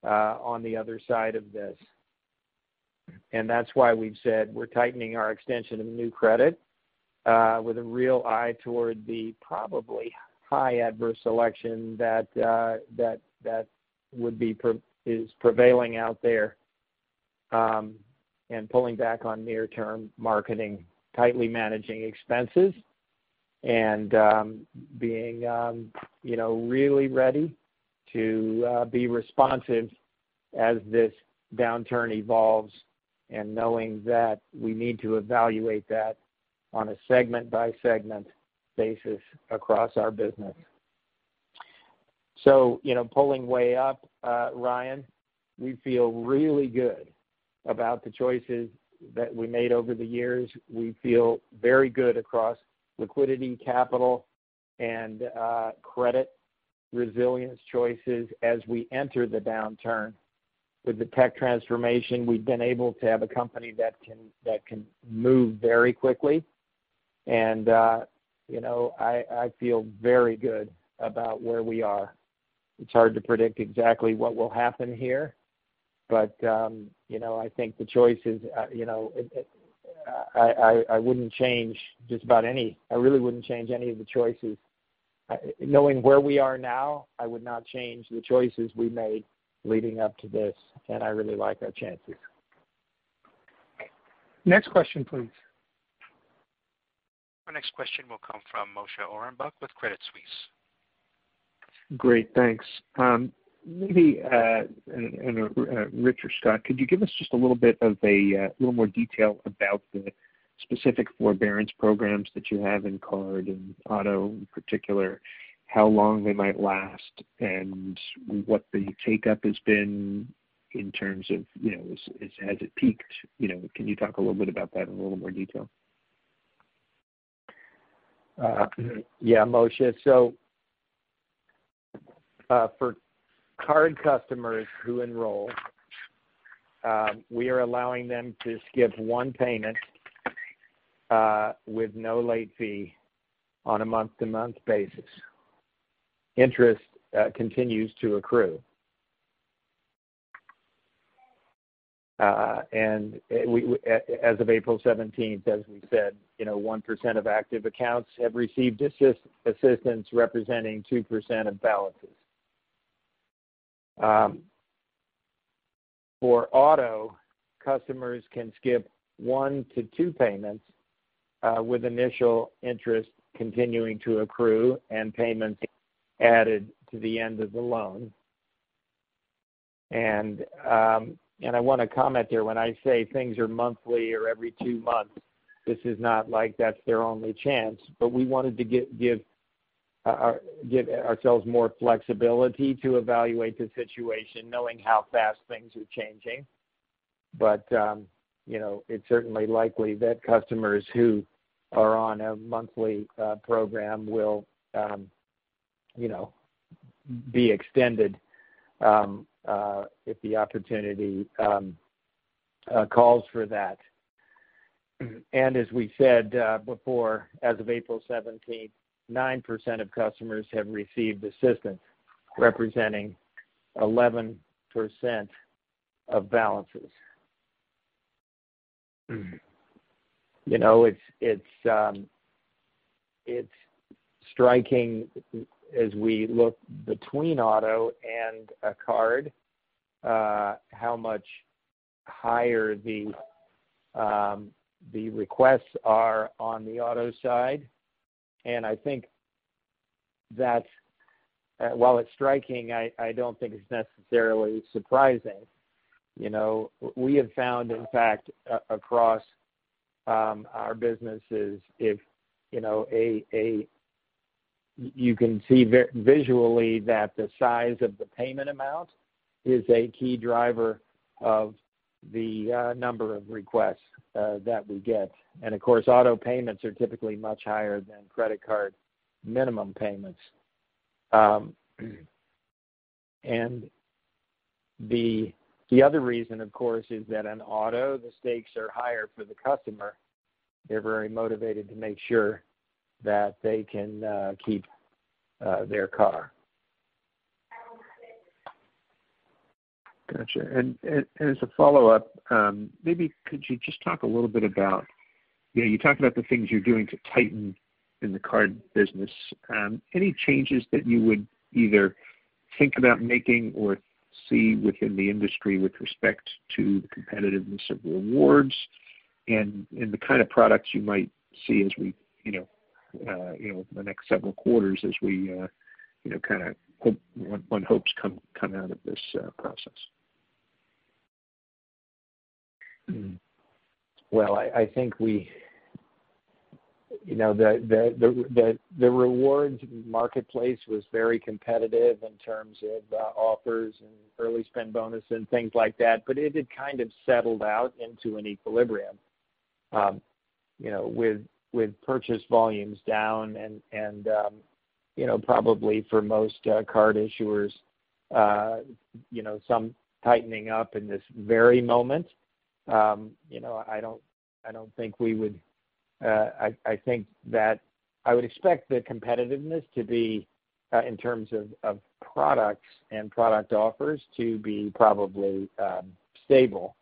on the other side of this. That's why we've said we're tightening our extension of new credit with a real eye toward the probably high adverse selection that is prevailing out there, pulling back on near-term marketing, tightly managing expenses, and being really ready to be responsive as this downturn evolves, and knowing that we need to evaluate that on a segment-by-segment basis across our business. Pulling way up, Ryan, we feel really good about the choices that we made over the years. We feel very good across liquidity, capital, and credit resilience choices as we enter the downturn. With the tech transformation, we've been able to have a company that can move very quickly. I feel very good about where we are. It's hard to predict exactly what will happen here, but I think the choices, I wouldn't change just about any. I really wouldn't change any of the choices. Knowing where we are now, I would not change the choices we made leading up to this, and I really like our chances. Next question, please. Our next question will come from Moshe Orenbuch with Credit Suisse. Great. Thanks. Maybe, Rich or Scott, could you give us just a little bit of a little more detail about the specific forbearance programs that you have in card and auto in particular, how long they might last, and what the take-up has been in terms of, has it peaked? Can you talk a little bit about that in a little more detail? Moshe. For card customers who enroll, we are allowing them to skip one payment with no late fee on a month-to-month basis. Interest continues to accrue. As of April 17th, as we said, 1% of active accounts have received assistance representing 2% of balances. For auto, customers can skip one to two payments with initial interest continuing to accrue and payments added to the end of the loan. I want to comment there, when I say things are monthly or every two months, this is not like that's their only chance, but we wanted to give ourselves more flexibility to evaluate the situation, knowing how fast things are changing. It's certainly likely that customers who are on a monthly program will be extended if the opportunity calls for that. As we said before, as of April 17th, 9% of customers have received assistance representing 11% of balances. It's striking as we look between auto and a card how much higher the requests are on the auto side. I think that while it's striking, I don't think it's necessarily surprising. We have found, in fact, across our businesses, you can see visually that the size of the payment amount is a key driver of the number of requests that we get. Of course, auto payments are typically much higher than credit card minimum payments. The other reason, of course, is that on auto, the stakes are higher for the customer. They're very motivated to make sure that they can keep their car. Got you. As a follow-up, maybe could you just talk a little bit about, you talked about the things you're doing to tighten in the card business. Any changes that you would either think about making or see within the industry with respect to the competitiveness of rewards and the kind of products you might see in the next several quarters as one hopes come out of this process? Well, I think the rewards marketplace was very competitive in terms of offers and early spend bonus and things like that, but it had kind of settled out into an equilibrium. With purchase volumes down and probably for most card issuers some tightening up in this very moment. I would expect the competitiveness in terms of products and product offers to be probably stable.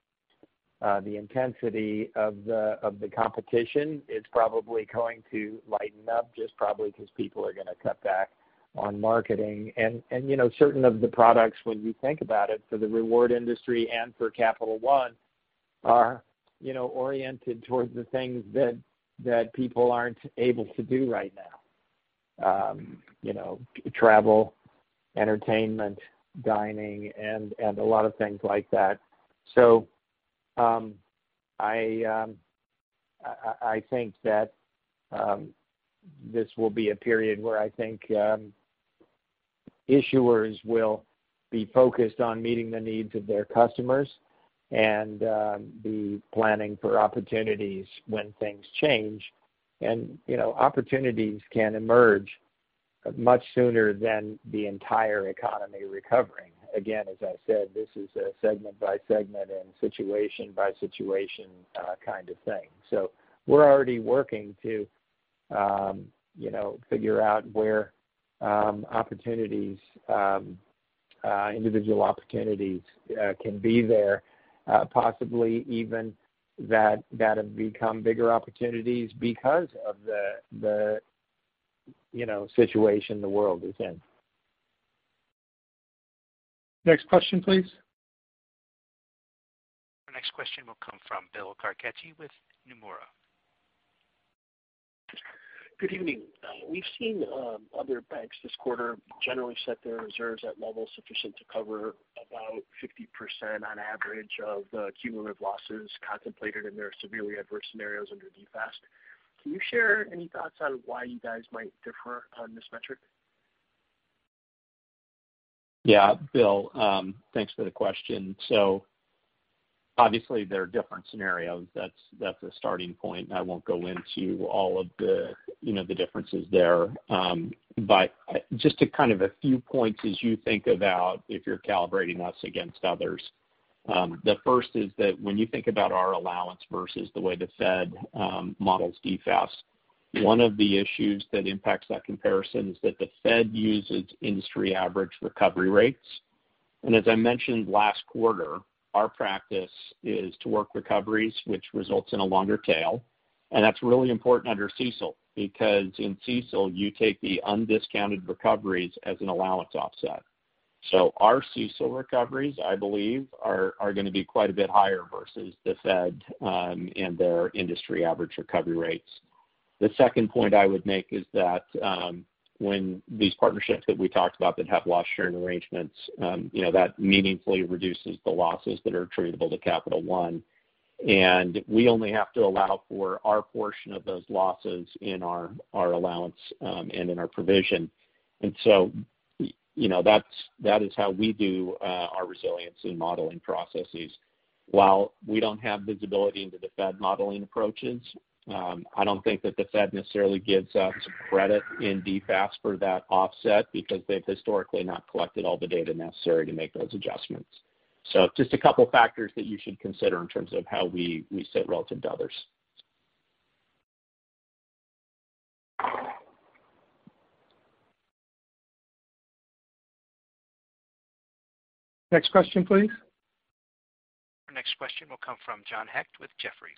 The intensity of the competition is probably going to lighten up just probably because people are going to cut back on marketing. Certain of the products, when you think about it, for the reward industry and for Capital One are oriented towards the things that people aren't able to do right now. Travel, entertainment, dining, and a lot of things like that. I think that this will be a period where I think issuers will be focused on meeting the needs of their customers and be planning for opportunities when things change. Opportunities can emerge much sooner than the entire economy recovering. Again, as I said, this is a segment-by-segment and situation-by-situation kind of thing. We're already working to figure out where individual opportunities can be there, possibly even that have become bigger opportunities because of the situation the world is in. Next question, please. Our next question will come from Bill Carcache with Nomura. Good evening. We've seen other banks this quarter generally set their reserves at levels sufficient to cover about 50% on average of the cumulative losses contemplated in their severely adverse scenarios under DFAST. Can you share any thoughts on why you guys might differ on this metric? Yeah, Bill, thanks for the question. Obviously, there are different scenarios. That's a starting point, and I won't go into all of the differences there. Just a few points as you think about if you're calibrating us against others. The first is that when you think about our allowance versus the way the Fed models DFAST, one of the issues that impacts that comparison is that the Fed uses industry average recovery rates. As I mentioned last quarter, our practice is to work recoveries, which results in a longer tail. That's really important under CECL because in CECL you take the undiscounted recoveries as an allowance offset. Our CECL recoveries, I believe, are going to be quite a bit higher versus the Fed and their industry average recovery rates. The second point I would make is that when these partnerships that we talked about that have loss-sharing arrangements, that meaningfully reduces the losses that are attributable to Capital One. We only have to allow for our portion of those losses in our allowance and in our provision. That is how we do our resiliency modeling processes. While we don't have visibility into the Fed modeling approaches, I don't think that the Fed necessarily gives us credit in DFAST for that offset because they've historically not collected all the data necessary to make those adjustments. Just a couple of factors that you should consider in terms of how we sit relative to others. Next question, please. Our next question will come from John Hecht with Jefferies.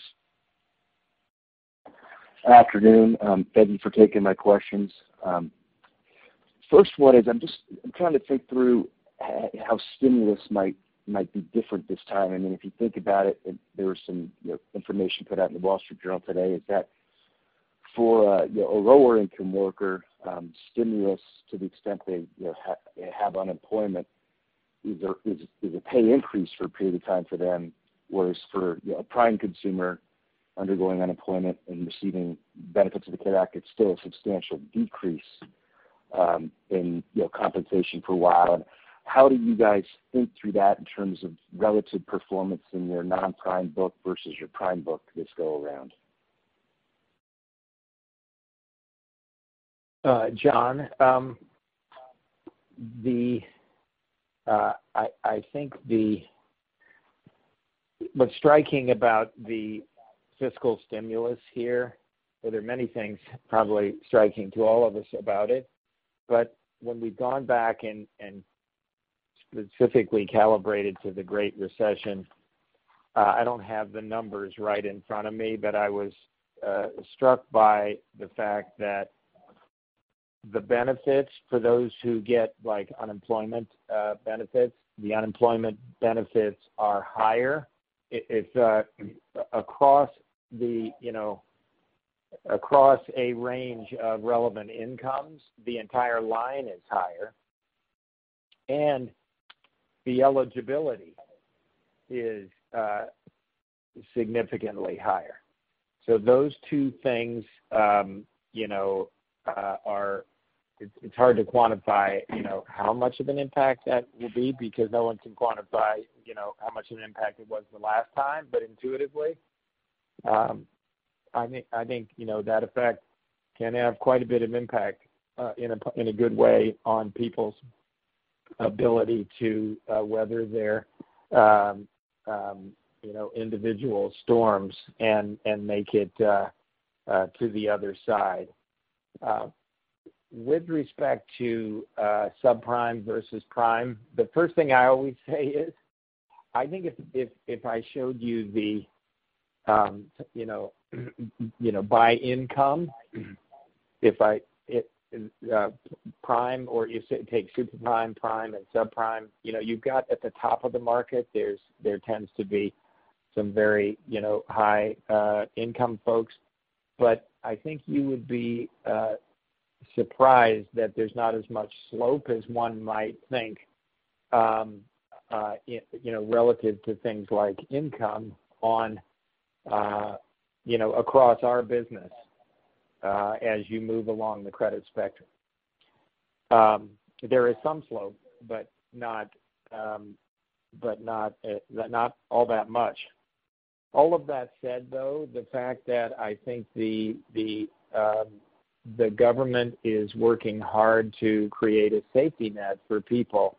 Afternoon. Thank you for taking my questions. First one is I'm just trying to think through how stimulus might be different this time. If you think about it, there was some information put out in The Wall Street Journal today, is that for a lower income worker, stimulus to the extent they have unemployment is a pay increase for a period of time for them. Whereas for a prime consumer undergoing unemployment and receiving benefits of the CARES Act, it's still a substantial decrease in compensation for a while. How do you guys think through that in terms of relative performance in your non-prime book versus your prime book this go around? John, I think what's striking about the fiscal stimulus here, there are many things probably striking to all of us about it. When we've gone back and specifically calibrated to the Great Recession, I don't have the numbers right in front of me, but I was struck by the fact that the benefits for those who get unemployment benefits, the unemployment benefits are higher. It's across a range of relevant incomes. The entire line is higher, and the eligibility is significantly higher. Those two things, it's hard to quantify how much of an impact that will be because no one can quantify how much of an impact it was the last time. Intuitively, I think that effect can have quite a bit of impact in a good way on people's ability to weather their individual storms and make it to the other side. With respect to subprime versus prime, the first thing I always say is, I think if I showed you the by income, prime, or if you take super prime and subprime, you've got at the top of the market there tends to be some very high income folks. I think you would be surprised that there's not as much slope as one might think relative to things like income across our business as you move along the credit spectrum. There is some slope, but not all that much. All of that said, though, the fact that I think the government is working hard to create a safety net for people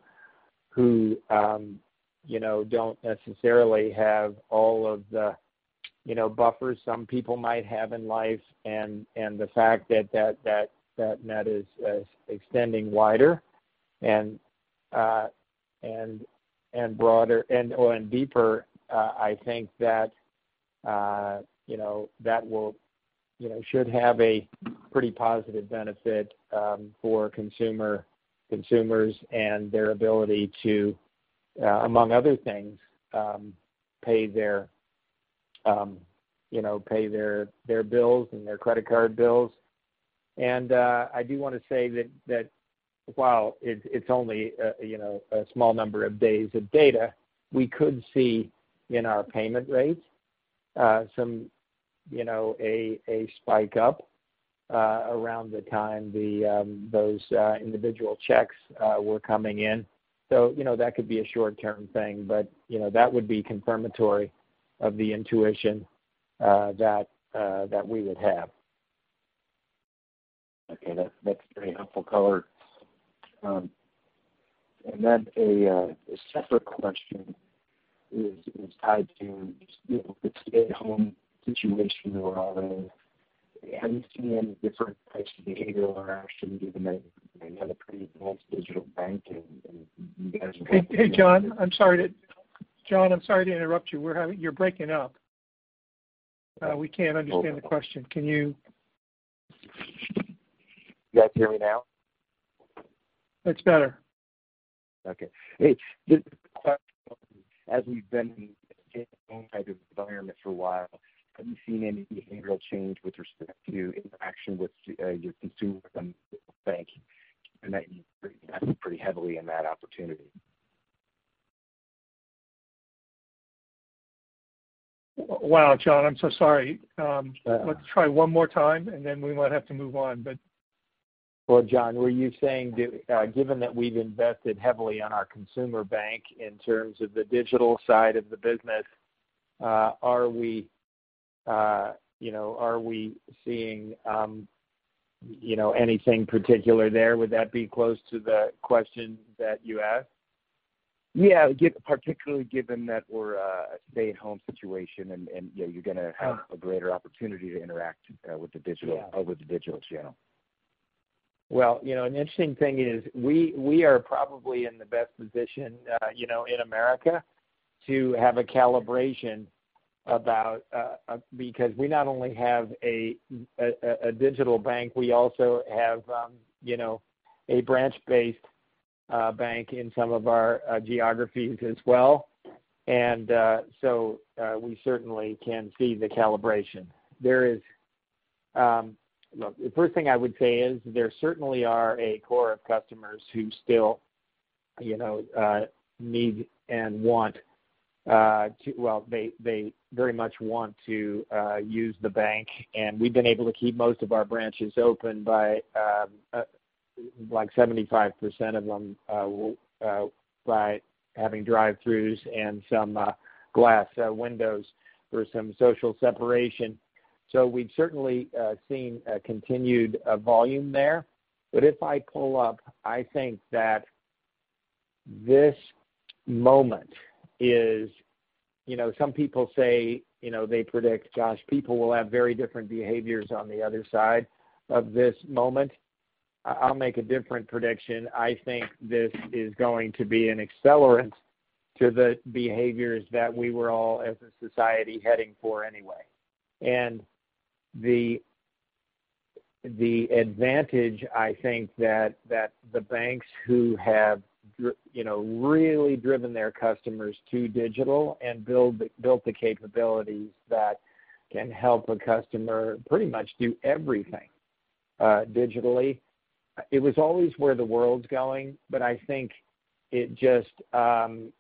who don't necessarily have all of the buffers some people might have in life. The fact that net is extending wider and broader and deeper, I think that should have a pretty positive benefit for consumers and their ability to, among other things, pay their bills and their credit card bills. I do want to say that while it's only a small number of days of data, we could see in our payment rates a spike up around the time those individual checks were coming in. That could be a short-term thing, but that would be confirmatory of the intuition that we would have. Okay. That's very helpful color. A separate question is tied to the stay-at-home situation that we're all in. Have you seen different types of behavioral interactions given that you have a pretty advanced digital bank? Hey, John. I'm sorry to interrupt you. You're breaking up. We can't understand the question. Can you? You guys hear me now? That's better. Okay. Hey, the question was, as we've been in a stay-at-home type of environment for a while, have you seen any behavioral change with respect to interaction with your consumers on digital banking, given that you invested pretty heavily in that opportunity? Wow, John, I'm so sorry. That's all right. Let's try one more time, and then we might have to move on. Well, John, were you saying given that we've invested heavily on our consumer bank in terms of the digital side of the business, are we seeing anything particular there? Would that be close to the question that you asked? Yeah. Particularly given that we're a stay-at-home situation and you're going to have a greater opportunity to interact over the digital channel. Well, an interesting thing is we are probably in the best position in America to have a calibration because we not only have a digital bank, we also have a branch-based bank in some of our geographies as well. We certainly can see the calibration. Look, the first thing I would say is there certainly are a core of customers who still need and well, they very much want to use the bank. We've been able to keep most of our branches open by like 75% of them by having drive-throughs and some glass windows for some social separation. We've certainly seen a continued volume there. If I pull up, I think that this moment some people say they predict, gosh, people will have very different behaviors on the other side of this moment. I'll make a different prediction. I think this is going to be an accelerant to the behaviors that we were all, as a society, heading for anyway. The advantage, I think that the banks who have really driven their customers to digital and built the capabilities that can help a customer pretty much do everything digitally. It was always where the world's going. I think it just an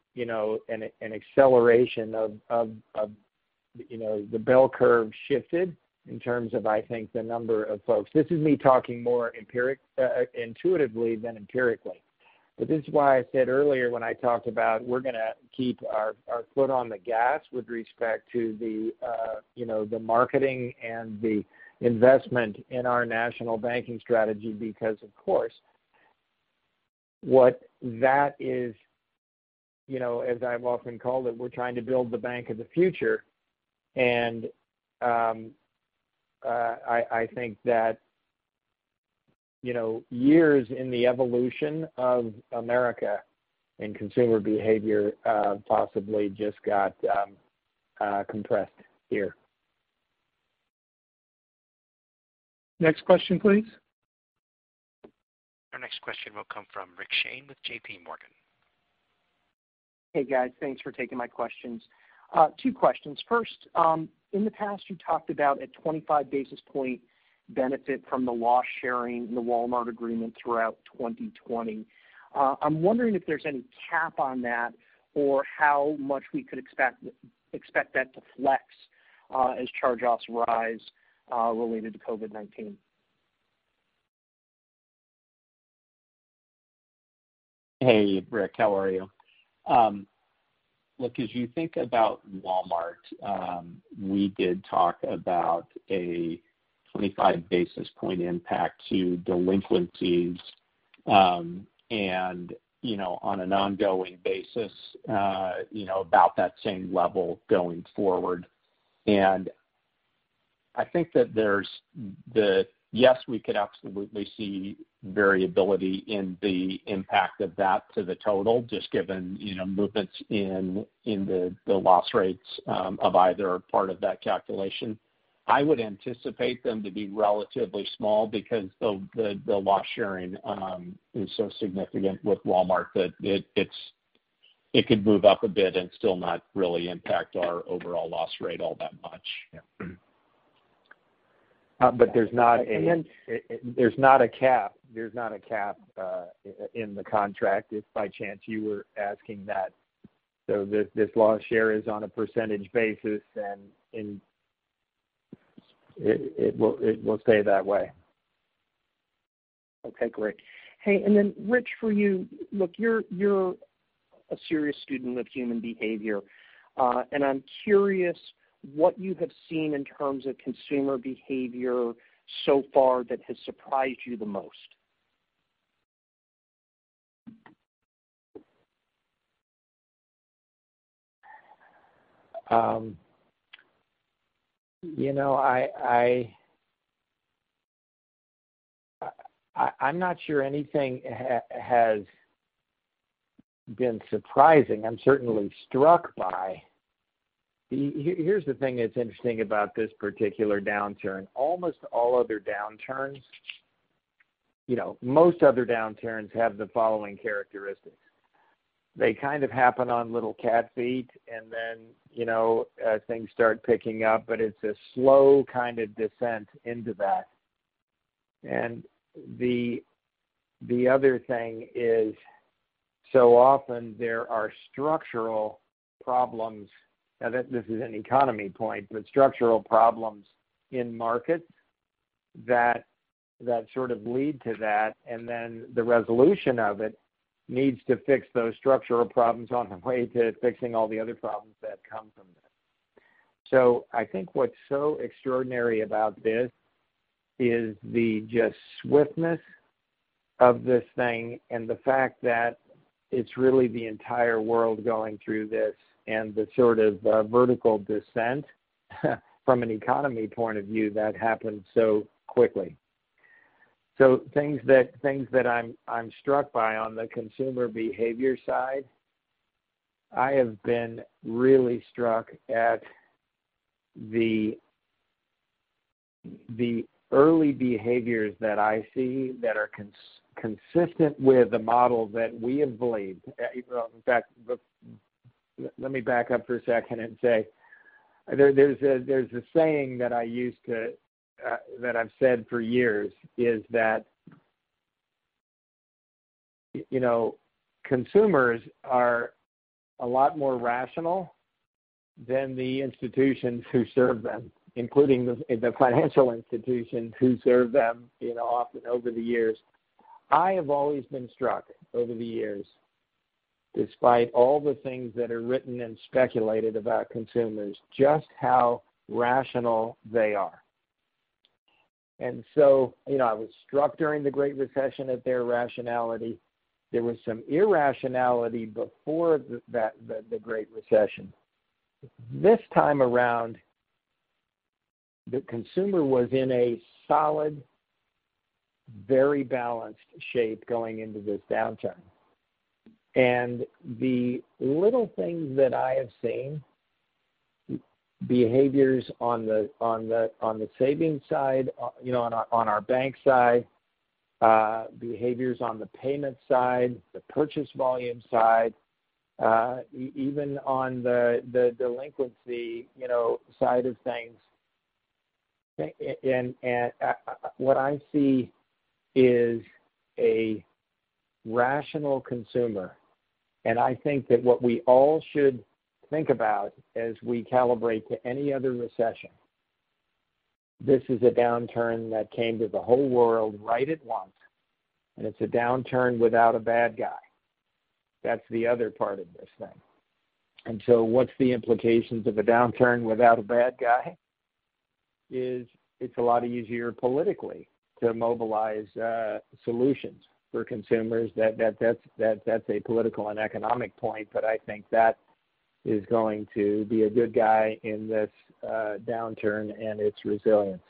acceleration of the bell curve shifted in terms of, I think, the number of folks. This is me talking more intuitively than empirically. This is why I said earlier when I talked about we're going to keep our foot on the gas with respect to the marketing and the investment in our national banking strategy because, of course, what that is, as I've often called it, we're trying to build the bank of the future. I think that years in the evolution of America and consumer behavior possibly just got compressed here. Next question, please. Our next question will come from Rick Shane with JPMorgan. Hey, guys. Thanks for taking my questions. Two questions. First, in the past, you talked about a 25 basis point benefit from the loss sharing in the Walmart agreement throughout 2020. I'm wondering if there's any cap on that or how much we could expect that to flex as charge-offs rise related to COVID-19. Hey, Rick. How are you? Look, as you think about Walmart, we did talk about a 25 basis point impact to delinquencies. On an ongoing basis about that same level going forward. I think that yes, we could absolutely see variability in the impact of that to the total, just given movements in the loss rates of either part of that calculation. I would anticipate them to be relatively small because the loss sharing is so significant with Walmart that it could move up a bit and still not really impact our overall loss rate all that much. There's not a cap in the contract, if by chance you were asking that. This loss share is on a percentage basis, and it will stay that way. Okay, great. Hey, then Rich, for you, look, you're a serious student of human behavior. I'm curious what you have seen in terms of consumer behavior so far that has surprised you the most. I'm not sure anything has been surprising. I'm certainly struck by. Here's the thing that's interesting about this particular downturn. Almost all other downturns, most other downturns have the following characteristics. They kind of happen on little cat feet, and then as things start picking up, but it's a slow kind of descent into that. The other thing is, so often there are structural problems, now this is an economy point, but structural problems in markets that sort of lead to that, and then the resolution of it needs to fix those structural problems on the way to fixing all the other problems that come from that. I think what's so extraordinary about this is the just swiftness of this thing and the fact that it's really the entire world going through this, and the sort of vertical descent from an economy point of view that happened so quickly. Things that I'm struck by on the consumer behavior side, I have been really struck at the early behaviors that I see that are consistent with the model that we have believed. In fact, let me back up for a second and say, there's a saying that I've said for years, is that consumers are a lot more rational than the institutions who serve them, including the financial institutions who serve them, often over the years. I have always been struck over the years, despite all the things that are written and speculated about consumers, just how rational they are. I was struck during the Great Recession at their rationality. There was some irrationality before the Great Recession. This time around, the consumer was in a solid, very balanced shape going into this downturn. The little things that I have seen, behaviors on the savings side on our bank side, behaviors on the payment side, the purchase volume side, even on the delinquency side of things. What I see is a rational consumer, and I think that what we all should think about as we calibrate to any other recession, this is a downturn that came to the whole world right at once, and it's a downturn without a bad guy. That's the other part of this thing. What's the implications of a downturn without a bad guy? Is it's a lot easier politically to mobilize solutions for consumers. That's a political and economic point, but I think that is going to be a good guy in this downturn, and it's resilient.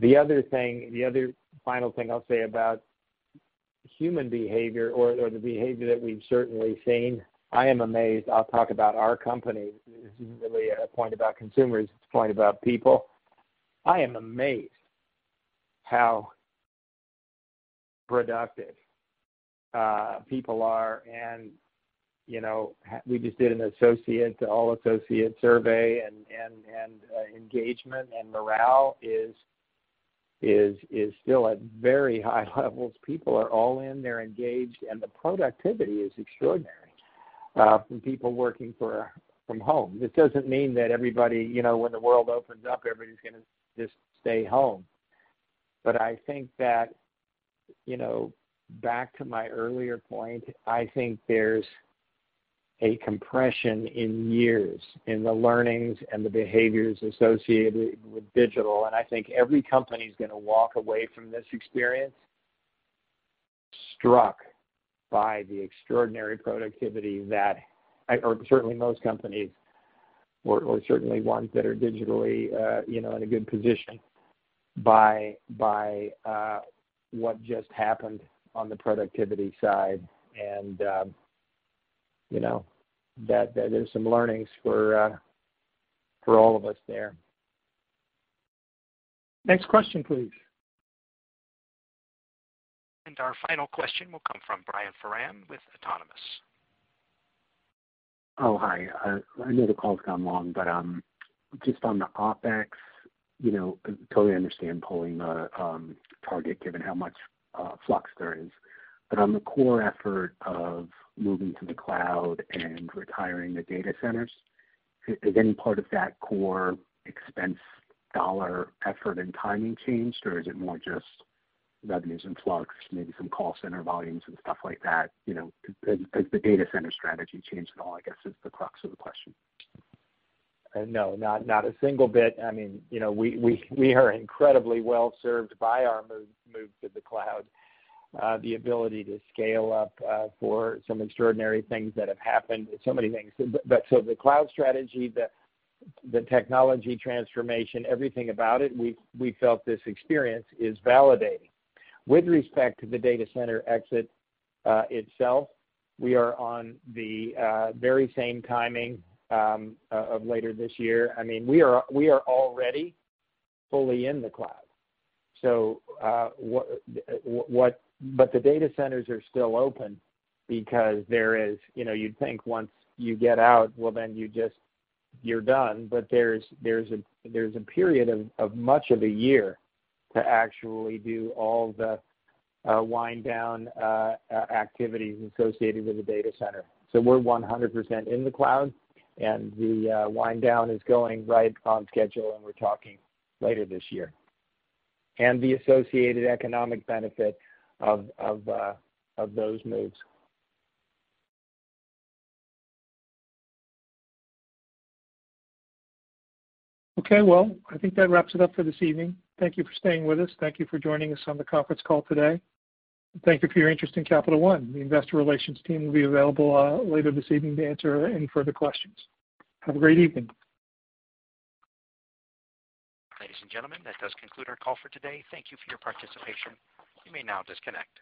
The other final thing I'll say about human behavior or the behavior that we've certainly seen, I am amazed. I'll talk about our company. This isn't really a point about consumers, it's a point about people. I am amazed how productive people are. We just did an all associate survey, and engagement and morale is still at very high levels. People are all in, they're engaged, and the productivity is extraordinary from people working from home. This doesn't mean that everybody, when the world opens up, everybody's going to just stay home. I think that, back to my earlier point, I think there's a compression in years in the learnings and the behaviors associated with digital. I think every company's going to walk away from this experience struck by the extraordinary productivity, or certainly most companies, or certainly ones that are digitally in a good position by what just happened on the productivity side. There's some learnings for all of us there. Next question, please. Our final question will come from Brian Foran with Autonomous. Oh, hi. I know the call's gone long, but, just on the OpEx, I totally understand pulling the target given how much flux there is. On the core effort of moving to the cloud and retiring the data centers, is any part of that core expense dollar effort and timing changed, or is it more just revenues and flux, maybe some call center volumes and stuff like that? Has the data center strategy changed at all, I guess, is the crux of the question. No, not a single bit. We are incredibly well-served by our move to the cloud. The ability to scale up for some extraordinary things that have happened, so many things. The cloud strategy, the technology transformation, everything about it, we felt this experience is validating. With respect to the data center exit itself, we are on the very same timing of later this year. We are already fully in the cloud. The data centers are still open because you'd think once you get out, well, then you're done. There's a period of much of a year to actually do all the wind down activities associated with the data center. We're 100% in the cloud, and the wind down is going right on schedule, and we're talking later this year, and the associated economic benefit of those moves. Okay, well, I think that wraps it up for this evening. Thank you for staying with us. Thank you for joining us on the conference call today. Thank you for your interest in Capital One. The investor relations team will be available later this evening to answer any further questions. Have a great evening. Ladies and gentlemen, that does conclude our call for today. Thank you for your participation. You may now disconnect.